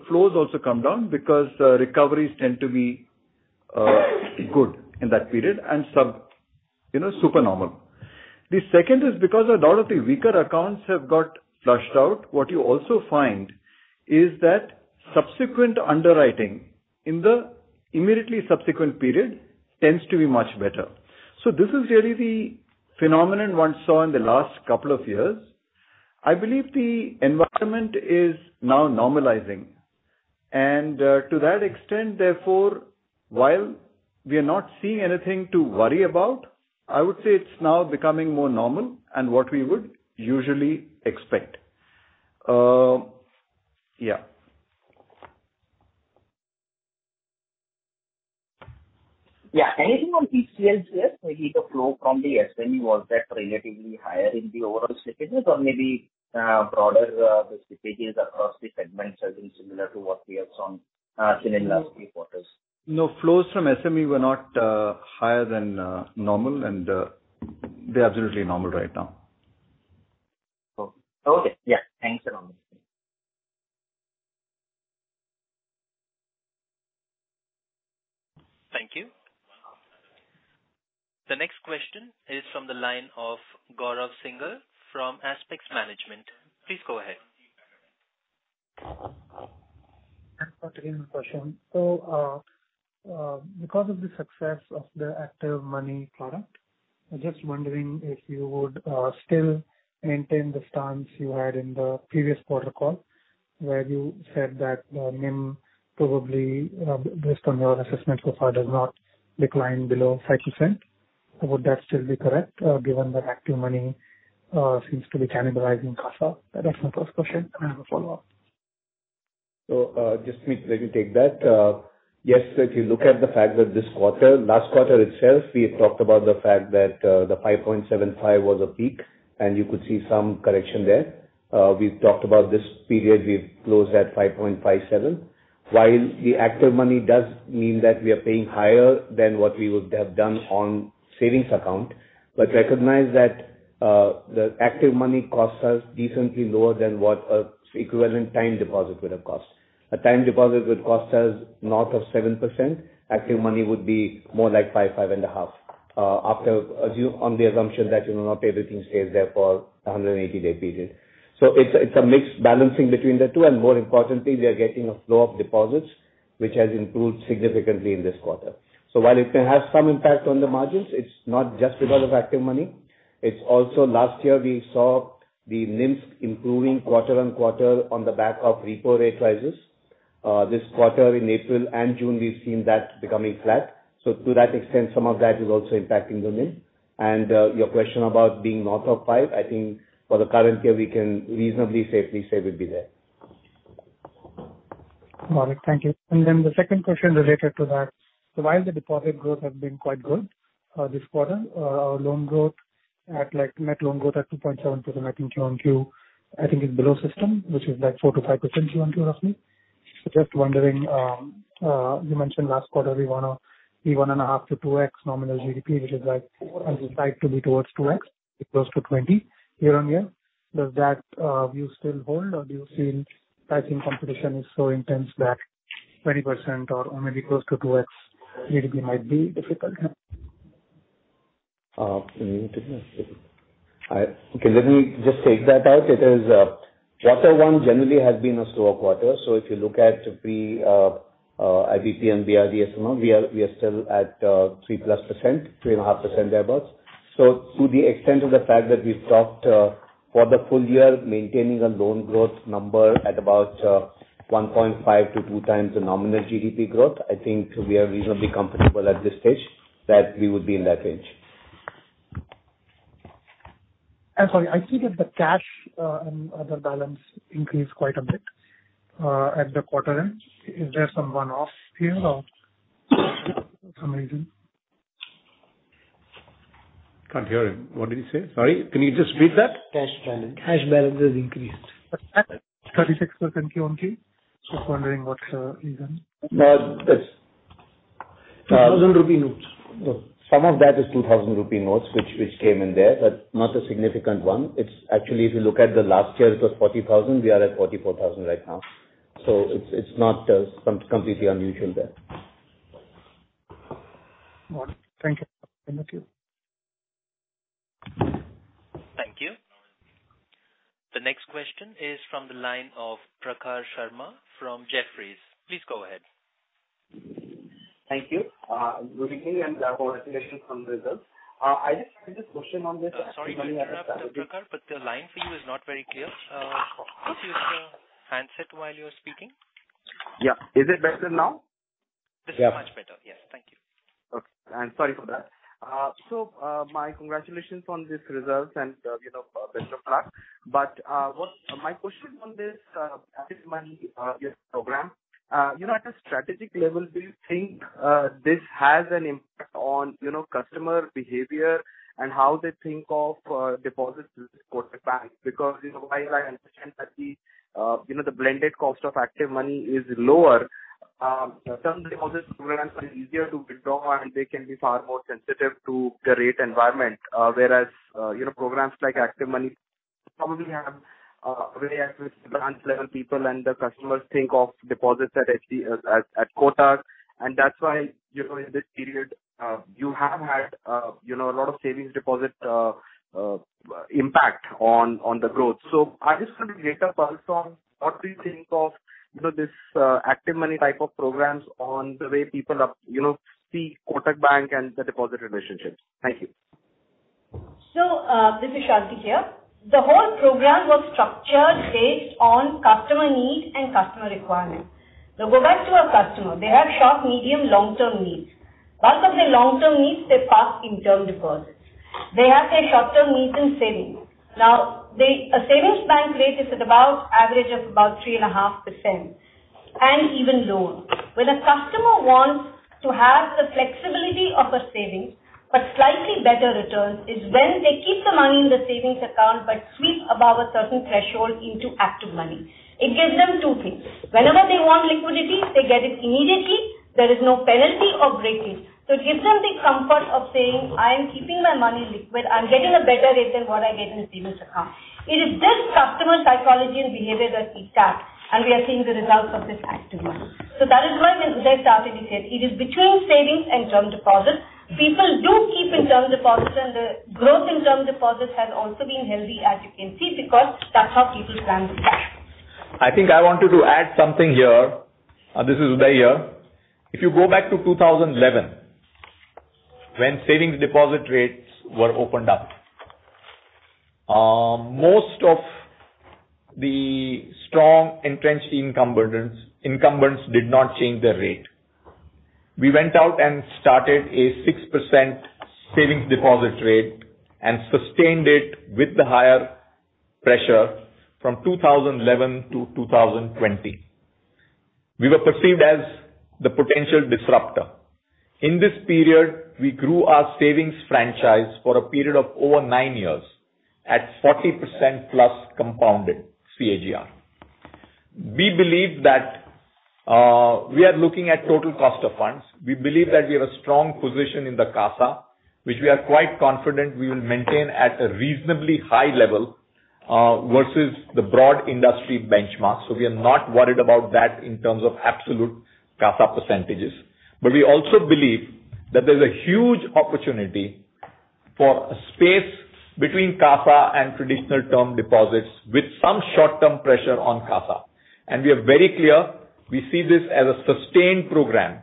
C: flows also come down because recoveries tend to be good in that period and sub, you know, super normal. The second is because a lot of the weaker accounts have got flushed out, what you also find is that subsequent underwriting in the immediately subsequent period tends to be much better. This is really the phenomenon one saw in the last couple of years. I believe the environment is now normalizing, and, to that extent, therefore, while we are not seeing anything to worry about, I would say it's now becoming more normal and what we would usually expect. Yeah.
P: Yeah. Anything on TCLCS, maybe the flow from the SME, was that relatively higher in the overall slippages or maybe, broader, the slippages across the segments has been similar to what we have seen in the last few quarters?
C: Flows from SME were not higher than normal, and they're absolutely normal right now.
P: Cool. Okay, yeah. Thanks a lot.
A: Thank you. The next question is from the line of Gaurav Singhal from Aspect Management. Please go ahead.
Q: Thanks for taking the question. Because of the success of the ActivMoney product, I'm just wondering if you would still maintain the stance you had in the previous quarter call, where you said that NIM probably, based on your assessment so far, does not decline below 5%. Would that still be correct, given that ActivMoney seems to be cannibalizing CASA? That's my first question, and I have a follow-up.
C: Let me take that. Yes, if you look at the fact that this quarter, last quarter itself, we had talked about the fact that the 5.75 was a peak, and you could see some correction there. We've talked about this period, we've closed at 5.57. While the ActivMoney does mean that we are paying higher than what we would have done on savings account, but recognize that the ActivMoney costs us decently lower than what a equivalent time deposit would have cost. A time deposit would cost us north of 7%. ActivMoney would be more like 5.5 after. On the assumption that you will not everything stays there for a 180-day period. It's a mixed balancing between the two, more importantly, we are getting a flow of deposits, which has improved significantly in this quarter. While it can have some impact on the margins, it's not just because of ActivMoney. It's also last year, we saw the NIMs improving quarter-on-quarter on the back of repo rate rises. This quarter in April and June, we've seen that becoming flat. To that extent, some of that is also impacting the NIM. Your question about being north of 5%, I think for the current year, we can reasonably safely say we'll be there.
Q: Got it. Thank you. The second question related to that: while the deposit growth has been quite good, this quarter, our loan growth at net loan growth at 2.7% QOQ is below system, which is 4%-5% QOQ, roughly. Just wondering, you mentioned last quarter we wanna be 1.5x-2x nominal GDP, which is, and we like to be towards 2x, close to 20% year-over-year. Does that view still hold, or do you feel pricing competition is so intense that 20% or only close to 2x GDP might be difficult?
C: Okay, let me just take that out. It is, quarter one generally has been a slow quarter. If you look at the IBPC and BRDSMO, we are still at, 3+%, 3.5% thereabout. To the extent of the fact that we've talked, for the full year, maintaining a loan growth number at about 1.5-2 times the nominal GDP growth, I think we are reasonably comfortable at this stage that we would be in that range.
Q: I'm sorry, I see that the cash, and other balance increased quite a bit, at the quarter end. Is there some one-off here or some reason?
B: Can't hear him. What did he say? Sorry, can you just repeat that?
I: Cash balance. Cash balance has increased.
Q: 36% year-on-year. Just wondering what's the reason?
B: Uh, it's-
I: 2,000 rupee notes.
B: Some of that is 2,000 rupee notes, which came in there, not a significant one. It's actually, if you look at the last year, it was 40,000, we are at 44,000 right now. It's not completely unusual there.
Q: Thank you. Thank you.
A: Thank you. The next question is from the line of Prakhar Sharma from Jefferies. Please go ahead.
R: Thank you. Good evening, and congratulations on the results. I just had a question.
A: Sorry to interrupt, Prakhar. The line for you is not very clear. Please use your handset while you're speaking.
R: Yeah. Is it better now?
A: This is much better. Yes. Thank you.
R: Okay, sorry for that. My congratulations on these results and, you know, best of luck. My question on this, ActivMoney program, you know, at a strategic level, do you think this has an impact on, you know, customer behavior and how they think of deposits with Kotak Mahindra Bank? While I understand that the, you know, the blended cost of ActivMoney is lower, some deposits programs are easier to withdraw, and they can be far more sensitive to the rate environment. Whereas, you know, programs like ActivMoney probably have very advanced level people, and the customers think of deposits at Kotak. That's why, you know, in this period, you have had, you know, a lot of savings deposit, impact on the growth. I just want to get a pulse on what do you think of, you know, this, ActivMoney type of programs on the way people, you know, see Kotak Bank and the deposit relationships. Thank you.
E: This is Shanti here. The whole program was structured based on customer need and customer requirement. Go back to our customer. They have short, medium, long-term needs. Part of their long-term needs, they park in term deposits. They have their short-term needs in savings. A savings bank rate is at about average of about 3.5%, and even lower. When a customer wants to have the flexibility of a savings, but slightly better returns, is when they keep the money in the savings account but sweep above a certain threshold into ActivMoney. It gives them two things. Whenever they want liquidity, they get it immediately. There is no penalty or breakage. It gives them the comfort of saying, "I am keeping my money liquid. I'm getting a better rate than what I get in a savings account." It is this customer psychology and behavior that we tap, and we are seeing the results of this ActivMoney. That is why Uday started it here. It is between savings and term deposits. People do keep in term deposits, and the growth in term deposits has also been healthy, as you can see, because that's how people plan to cash.
B: I think I wanted to add something here. This is Uday here. If you go back to 2011, when savings deposit rates were opened up, most of the strong entrenched incumbents did not change their rate. We went out and started a 6% savings deposit rate and sustained it with the higher pressure from 2011 to 2020. We were perceived as the potential disruptor. In this period, we grew our savings franchise for a period of over 9 years at 40%+ compounded CAGR. We believe that we are looking at total cost of funds. We believe that we have a strong position in the CASA, which we are quite confident we will maintain at a reasonably high level versus the broad industry benchmark. We are not worried about that in terms of absolute CASA percentages. We also believe that there's a huge opportunity for a space between CASA and traditional term deposits, with some short-term pressure on CASA. We are very clear, we see this as a sustained program,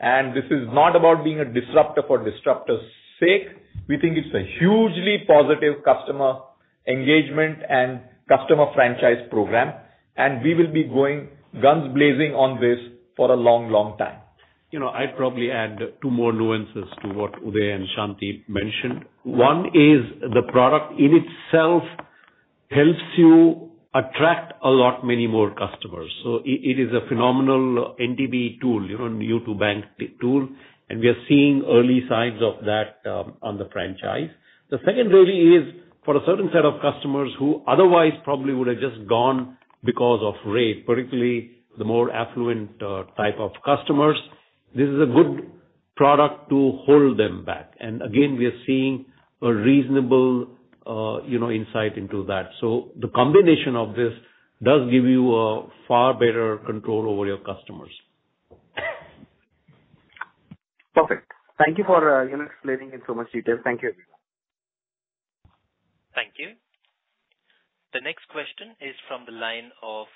B: and this is not about being a disruptor for disruptor's sake. We think it's a hugely positive customer engagement and customer franchise program, and we will be going guns blazing on this for a long, long time. You know, I'd probably add two more nuances to what Uday and Shanti mentioned. One is, the product in itself helps you attract a lot, many more customers. It is a phenomenal NTB tool, you know, new to bank tool, and we are seeing early signs of that on the franchise. The second really is for a certain set of customers who otherwise probably would have just gone because of rate, particularly the more affluent, type of customers. This is a good product to hold them back, and again, we are seeing a reasonable, you know, insight into that. The combination of this does give you a far better control over your customers.
R: Perfect. Thank you for, you know, explaining in so much detail. Thank you, everyone.
A: Thank you. The next question is from the line of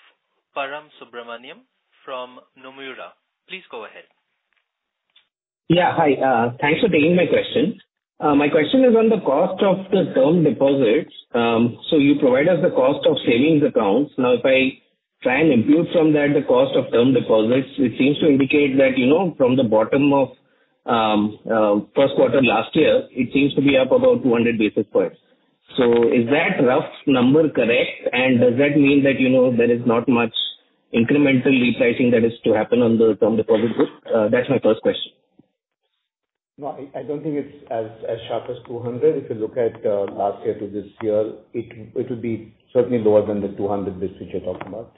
A: Param Subramanian from Nomura. Please go ahead.
S: Yeah, hi. Thanks for taking my question. My question is on the cost of the term deposits. You provide us the cost of savings accounts. Now, if I try and impute from that, the cost of term deposits, it seems to indicate that, you know, from the bottom of first quarter last year, it seems to be up about 200 basis points. Is that rough number correct? Does that mean that, you know, there is not much incremental repricing that is to happen on the deposit group? That's my first question.
C: No, I don't think it's as sharp as 200. If you look at last year to this year, it'll be certainly lower than the 200 basis you're talking about.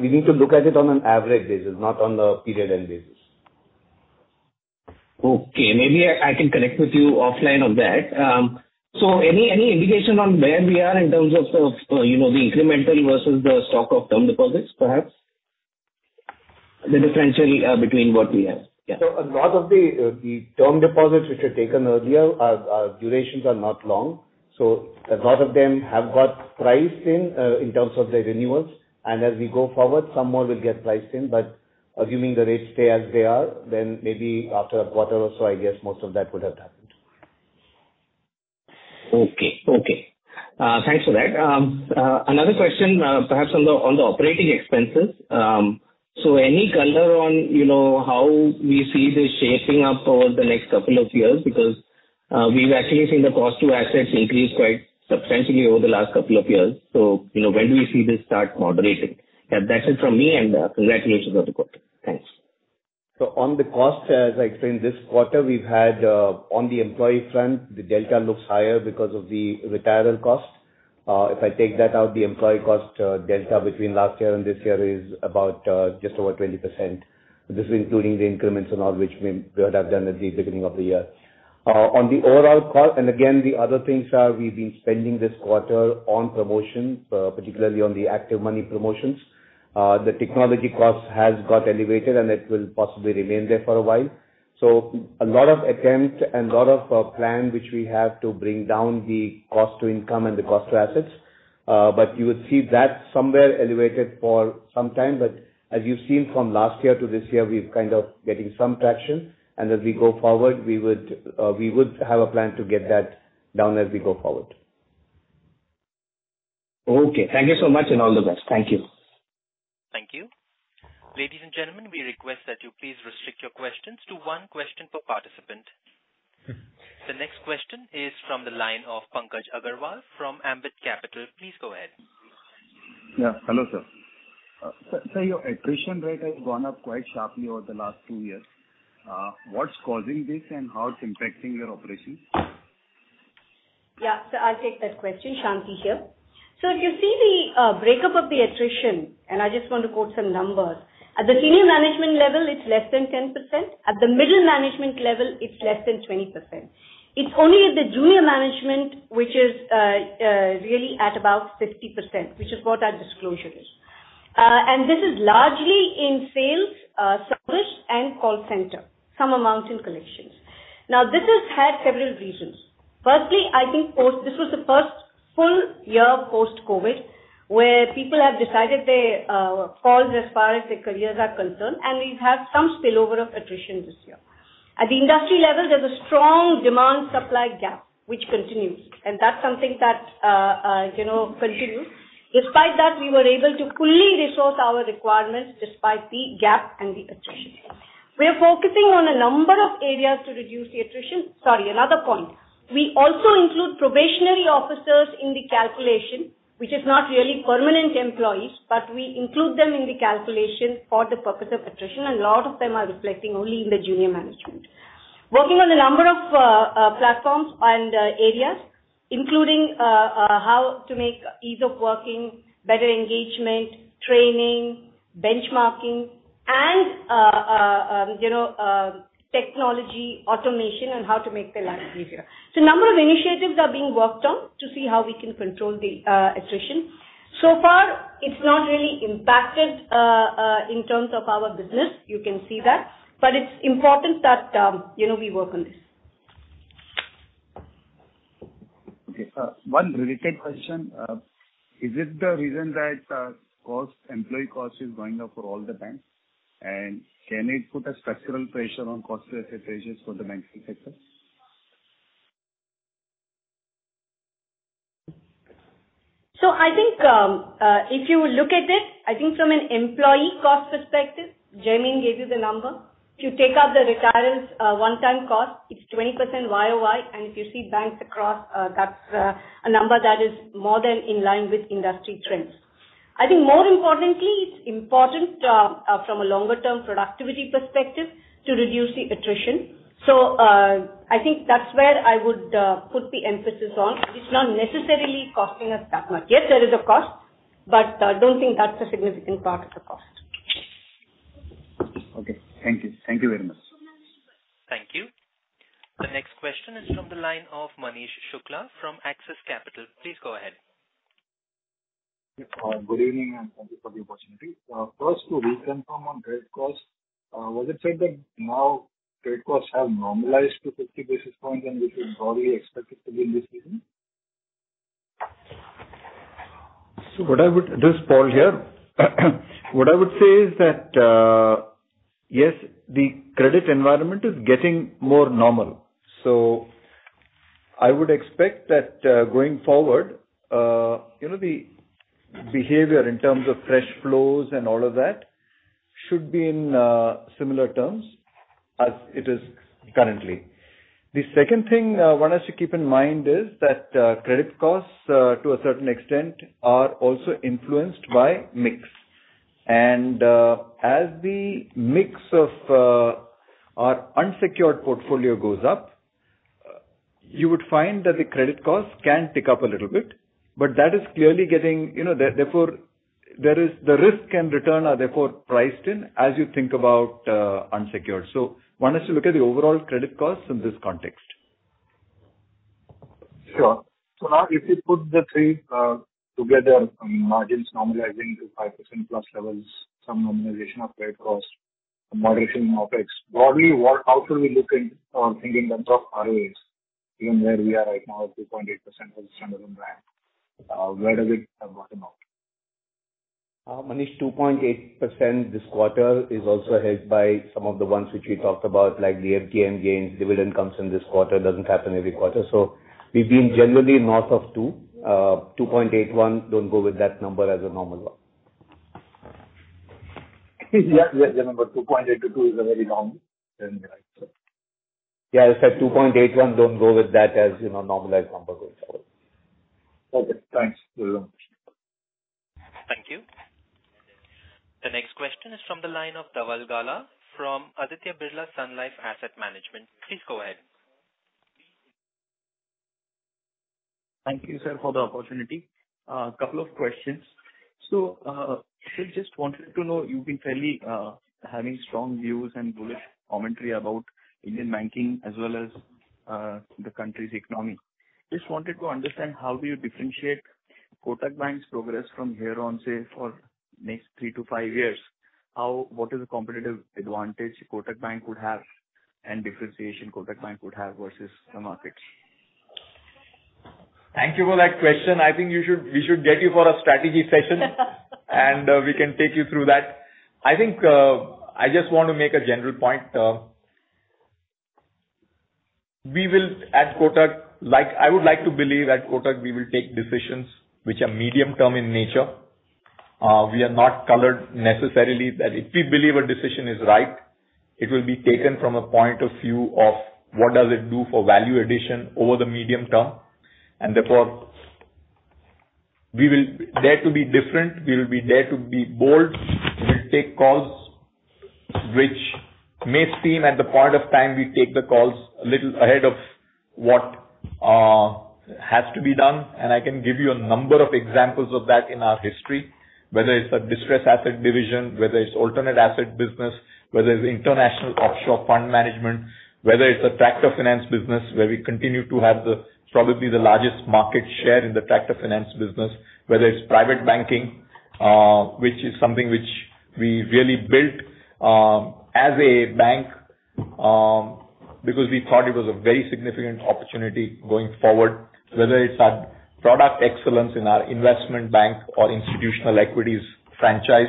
C: We need to look at it on an average basis, not on the period-end basis.
S: Okay, maybe I can connect with you offline on that. Any indication on where we are in terms of, you know, the incremental versus the stock of term deposits, perhaps? The differential between what we have. Yeah.
C: A lot of the term deposits which were taken earlier, are durations are not long, so a lot of them have got priced in in terms of their renewals. As we go forward, some more will get priced in. Assuming the rates stay as they are, then maybe after a quarter or so, I guess most of that would have happened.
S: Okay, thanks for that. Another question, perhaps on the operating expenses. Any color on, you know, how we see this shaping up over the next couple of years? Because, we've actually seen the cost to assets increase quite substantially over the last couple of years. You know, when do we see this start moderating? That's it from me, and, congratulations on the quarter. Thanks.
C: On the costs, as I explained, this quarter, we've had on the employee front, the delta looks higher because of the retirement costs. If I take that out, the employee cost delta between last year and this year is about just over 20%. This is including the increments and all, which we would have done at the beginning of the year. On the overall cost, and again, the other things are we've been spending this quarter on promotions, particularly on the ActivMoney promotions. The technology costs has got elevated and it will possibly remain there for a while. A lot of attempts and a lot of plan, which we have to bring down the cost to income and the cost to assets. But you would see that somewhere elevated for some time. As you've seen from last year to this year, we're kind of getting some traction. As we go forward, we would have a plan to get that down as we go forward.
S: Okay, thank you so much, all the best. Thank you.
A: Thank you. Ladies and gentlemen, we request that you please restrict your questions to one question per participant. The next question is from the line of Pankaj Agarwal from Ambit Capital. Please go ahead.
T: Yeah. Hello, sir. Your attrition rate has gone up quite sharply over the last two years. What's causing this and how it's impacting your operations?
E: Yeah. I'll take that question, Shanti here. If you see the breakup of the attrition, I just want to quote some numbers. At the senior management level, it's less than 10%. At the middle management level, it's less than 20%. It's only at the junior management, which is really at about 50%, which is what our disclosure is. This is largely in sales, service and call center, some amounts in collections. This has had several reasons. Firstly, I think This was the first full year post-COVID, where people have decided their calls as far as their careers are concerned, we've had some spillover of attrition this year. At the industry level, there's a strong demand-supply gap, which continues, that's something that, you know, continues. Despite that, we were able to fully resource our requirements despite the gap and the attrition. We are focusing on a number of areas to reduce the attrition. Sorry, another point. We also include probationary officers in the calculation, which is not really permanent employees, but we include them in the calculation for the purpose of attrition, and a lot of them are reflecting only in the junior management. Working on a number of platforms and areas, including how to make ease of working, better engagement, training, benchmarking, and, you know, technology, automation, and how to make their life easier. Number of initiatives are being worked on to see how we can control the attrition. Far, it's not really impacted, in terms of our business, you can see that, but it's important that, you know, we work on this.
T: One related question. Is it the reason that cost, employee cost is going up for all the banks? Can it put a structural pressure on cost ratios for the banking sector?
E: I think, if you look at it, I think from an employee cost perspective, Jaimin gave you the number. If you take out the retirees, one-time cost, it's 20% YOY, if you see banks across, that's a number that is more than in line with industry trends. I think more importantly, it's important, from a longer term productivity perspective, to reduce the attrition. I think that's where I would put the emphasis on. It's not necessarily costing us that much. Yes, there is a cost, but I don't think that's a significant part of the cost.
T: Okay. Thank you. Thank you very much.
A: Thank you. The next question is from the line of Manish Shukla from Axis Capital. Please go ahead.
U: Good evening, and thank you for the opportunity. First, to reconfirm on trade costs, was it said that now trade costs have normalized to 50 basis points, and this is how we expect it to be in this season?
O: This is Paul here. What I would say is that, yes, the credit environment is getting more normal.... I would expect that, going forward, you know, the behavior in terms of fresh flows and all of that should be in similar terms as it is currently. The second thing, one has to keep in mind is that credit costs, to a certain extent, are also influenced by mix. As the mix of our unsecured portfolio goes up, you would find that the credit costs can tick up a little bit, but that is clearly getting, you know, therefore, there is, the risk and return are therefore priced in as you think about unsecured. One has to look at the overall credit costs in this context.
U: Sure. Now if you put the three together, I mean, margins normalizing to 5% plus levels, some normalization of credit costs, moderation in OpEx, broadly, how should we look in or think in terms of ROAs, given where we are right now at 2.8% for the standard brand? Where does it bottom out?
B: Manish, 2.8% this quarter is also helped by some of the ones which we talked about, like the FGM gains, dividend comes in this quarter, doesn't happen every quarter. We've been generally north of 2.81%, don't go with that number as a normal one. Yes, yes, the number 2.8 to 2 is a very normal range. I said 2.81, don't go with that as, you know, normalized number going forward.
U: Okay, thanks.
A: Thank you. The next question is from the line of Dhaval Gala from Aditya Birla Sun Life AMC Limited. Please go ahead.
V: Thank you, sir, for the opportunity. A couple of questions. I just wanted to know, you've been fairly having strong views and bullish commentary about Indian banking as well as the country's economy. Just wanted to understand, how do you differentiate Kotak Bank's progress from here on, say, for next three to five years? What is the competitive advantage Kotak Bank would have and differentiation Kotak Bank would have versus the market?
B: Thank you for that question. I think we should get you for a strategy session, and we can take you through that. I think I just want to make a general point. We will, at Kotak, like, I would like to believe at Kotak, we will take decisions which are medium-term in nature. We are not colored necessarily, that if we believe a decision is right, it will be taken from a point of view of what does it do for value addition over the medium term. Therefore, we will dare to be different, we will be dare to be bold. We'll take calls which may seem, at the point of time we take the calls, a little ahead of what has to be done. I can give you a number of examples of that in our history, whether it's a distressed asset division, whether it's alternate asset business, whether it's international offshore fund management, whether it's a tractor finance business, where we continue to have the, probably the largest market share in the tractor finance business, whether it's private banking, which is something which we really built as a bank, because we thought it was a very significant opportunity going forward. Whether it's our product excellence in our investment bank or institutional equities franchise.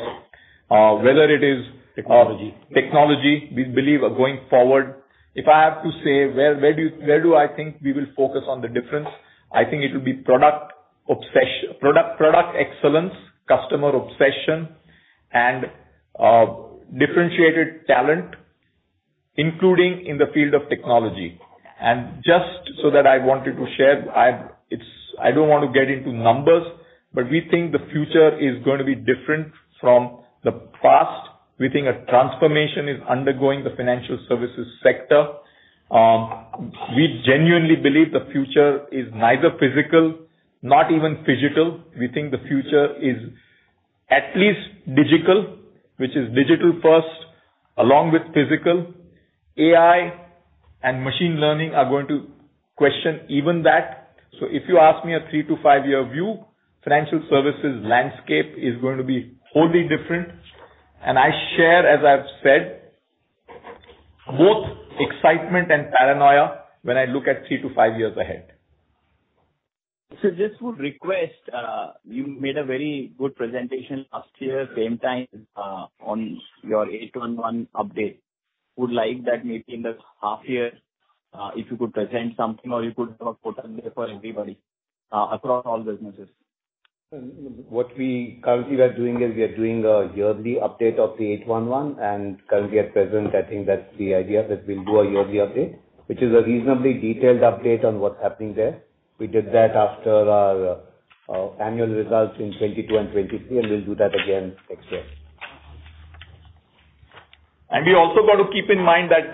C: Technology.
B: technology, we believe are going forward. If I have to say, where do I think we will focus on the difference? I think it will be product obsession, product excellence, customer obsession, and differentiated talent, including in the field of technology. Just so that I wanted to share, I don't want to get into numbers, but we think the future is going to be different from the past. We think a transformation is undergoing the financial services sector. We genuinely believe the future is neither physical, not even physical. We think the future is at least digital, which is digital first, along with physical. AI and machine learning are going to question even that. If you ask me a 3-5-year view, financial services landscape is going to be wholly different. I share, as I've said, both excitement and paranoia when I look at 3-5 years ahead.
V: Sir, just would request, you made a very good presentation last year, same time, on your 811 update. Would like that maybe in the half year, if you could present something or you could put on there for everybody, across all businesses.
C: What we currently are doing is, we are doing a yearly update of the 811, and currently at present, I think that's the idea, that we'll do a yearly update, which is a reasonably detailed update on what's happening there. We did that after our annual results in 2022 and 2023, and we'll do that again next year.
B: We also got to keep in mind that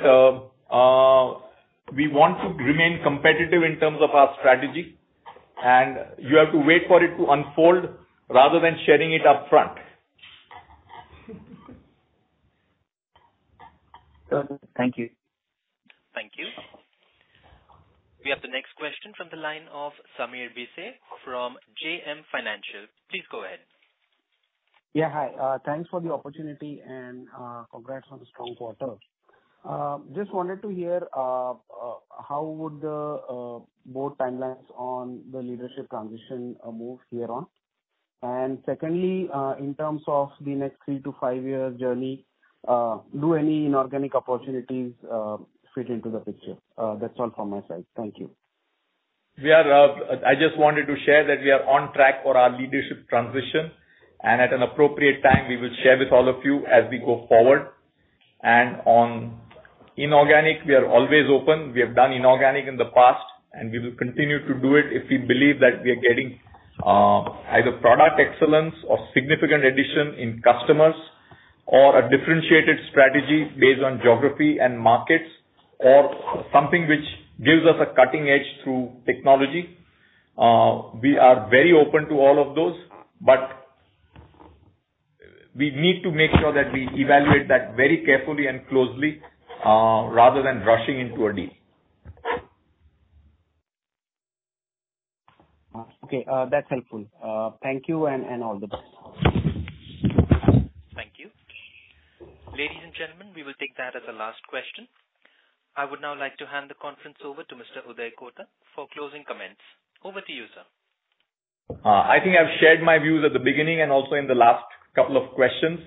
B: we want to remain competitive in terms of our strategy, and you have to wait for it to unfold rather than sharing it upfront.
V: Thank you.
A: Thank you. We have the next question from the line of Sameer Bhise from JM Financial. Please go ahead.
W: Yeah, hi. Thanks for the opportunity and congrats on the strong quarter. Just wanted to hear how would the board timelines on the leadership transition move here on? Secondly, in terms of the next three to five year journey, do any inorganic opportunities fit into the picture? That's all from my side. Thank you.
B: We are, I just wanted to share that we are on track for our leadership transition, and at an appropriate time, we will share with all of you as we go forward. On inorganic, we are always open. We have done inorganic in the past, and we will continue to do it if we believe that we are getting either product excellence or significant addition in customers, or a differentiated strategy based on geography and markets, or something which gives us a cutting edge through technology. We are very open to all of those, but we need to make sure that we evaluate that very carefully and closely, rather than rushing into a deal.
W: Okay, that's helpful. Thank you, and all the best.
A: Thank you. Ladies and gentlemen, we will take that as the last question. I would now like to hand the conference over to Mr. Uday Kotak for closing comments. Over to you, sir.
B: I think I've shared my views at the beginning and also in the last couple of questions.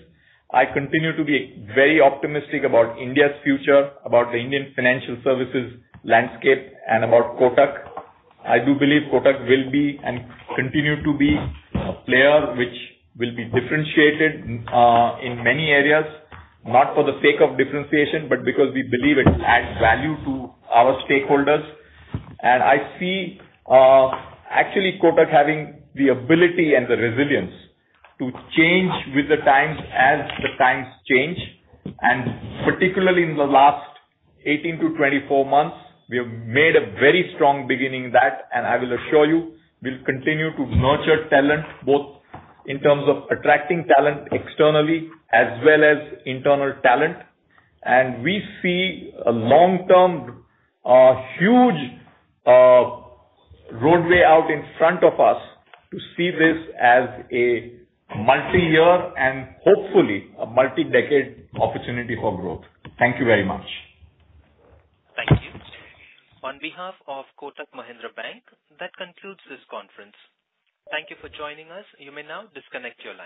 B: I continue to be very optimistic about India's future, about the Indian financial services landscape, and about Kotak. I do believe Kotak will be and continue to be a player which will be differentiated in many areas, not for the sake of differentiation, but because we believe it adds value to our stakeholders. I see, actually Kotak having the ability and the resilience to change with the times as the times change. Particularly in the last 18 to 24 months, we have made a very strong beginning that, and I will assure you, we'll continue to nurture talent, both in terms of attracting talent externally as well as internal talent. We see a long-term, huge, roadway out in front of us to see this as a multi-year and hopefully a multi-decade opportunity for growth. Thank you very much.
A: Thank you. On behalf of Kotak Mahindra Bank, that concludes this conference. Thank you for joining us. You may now disconnect your line.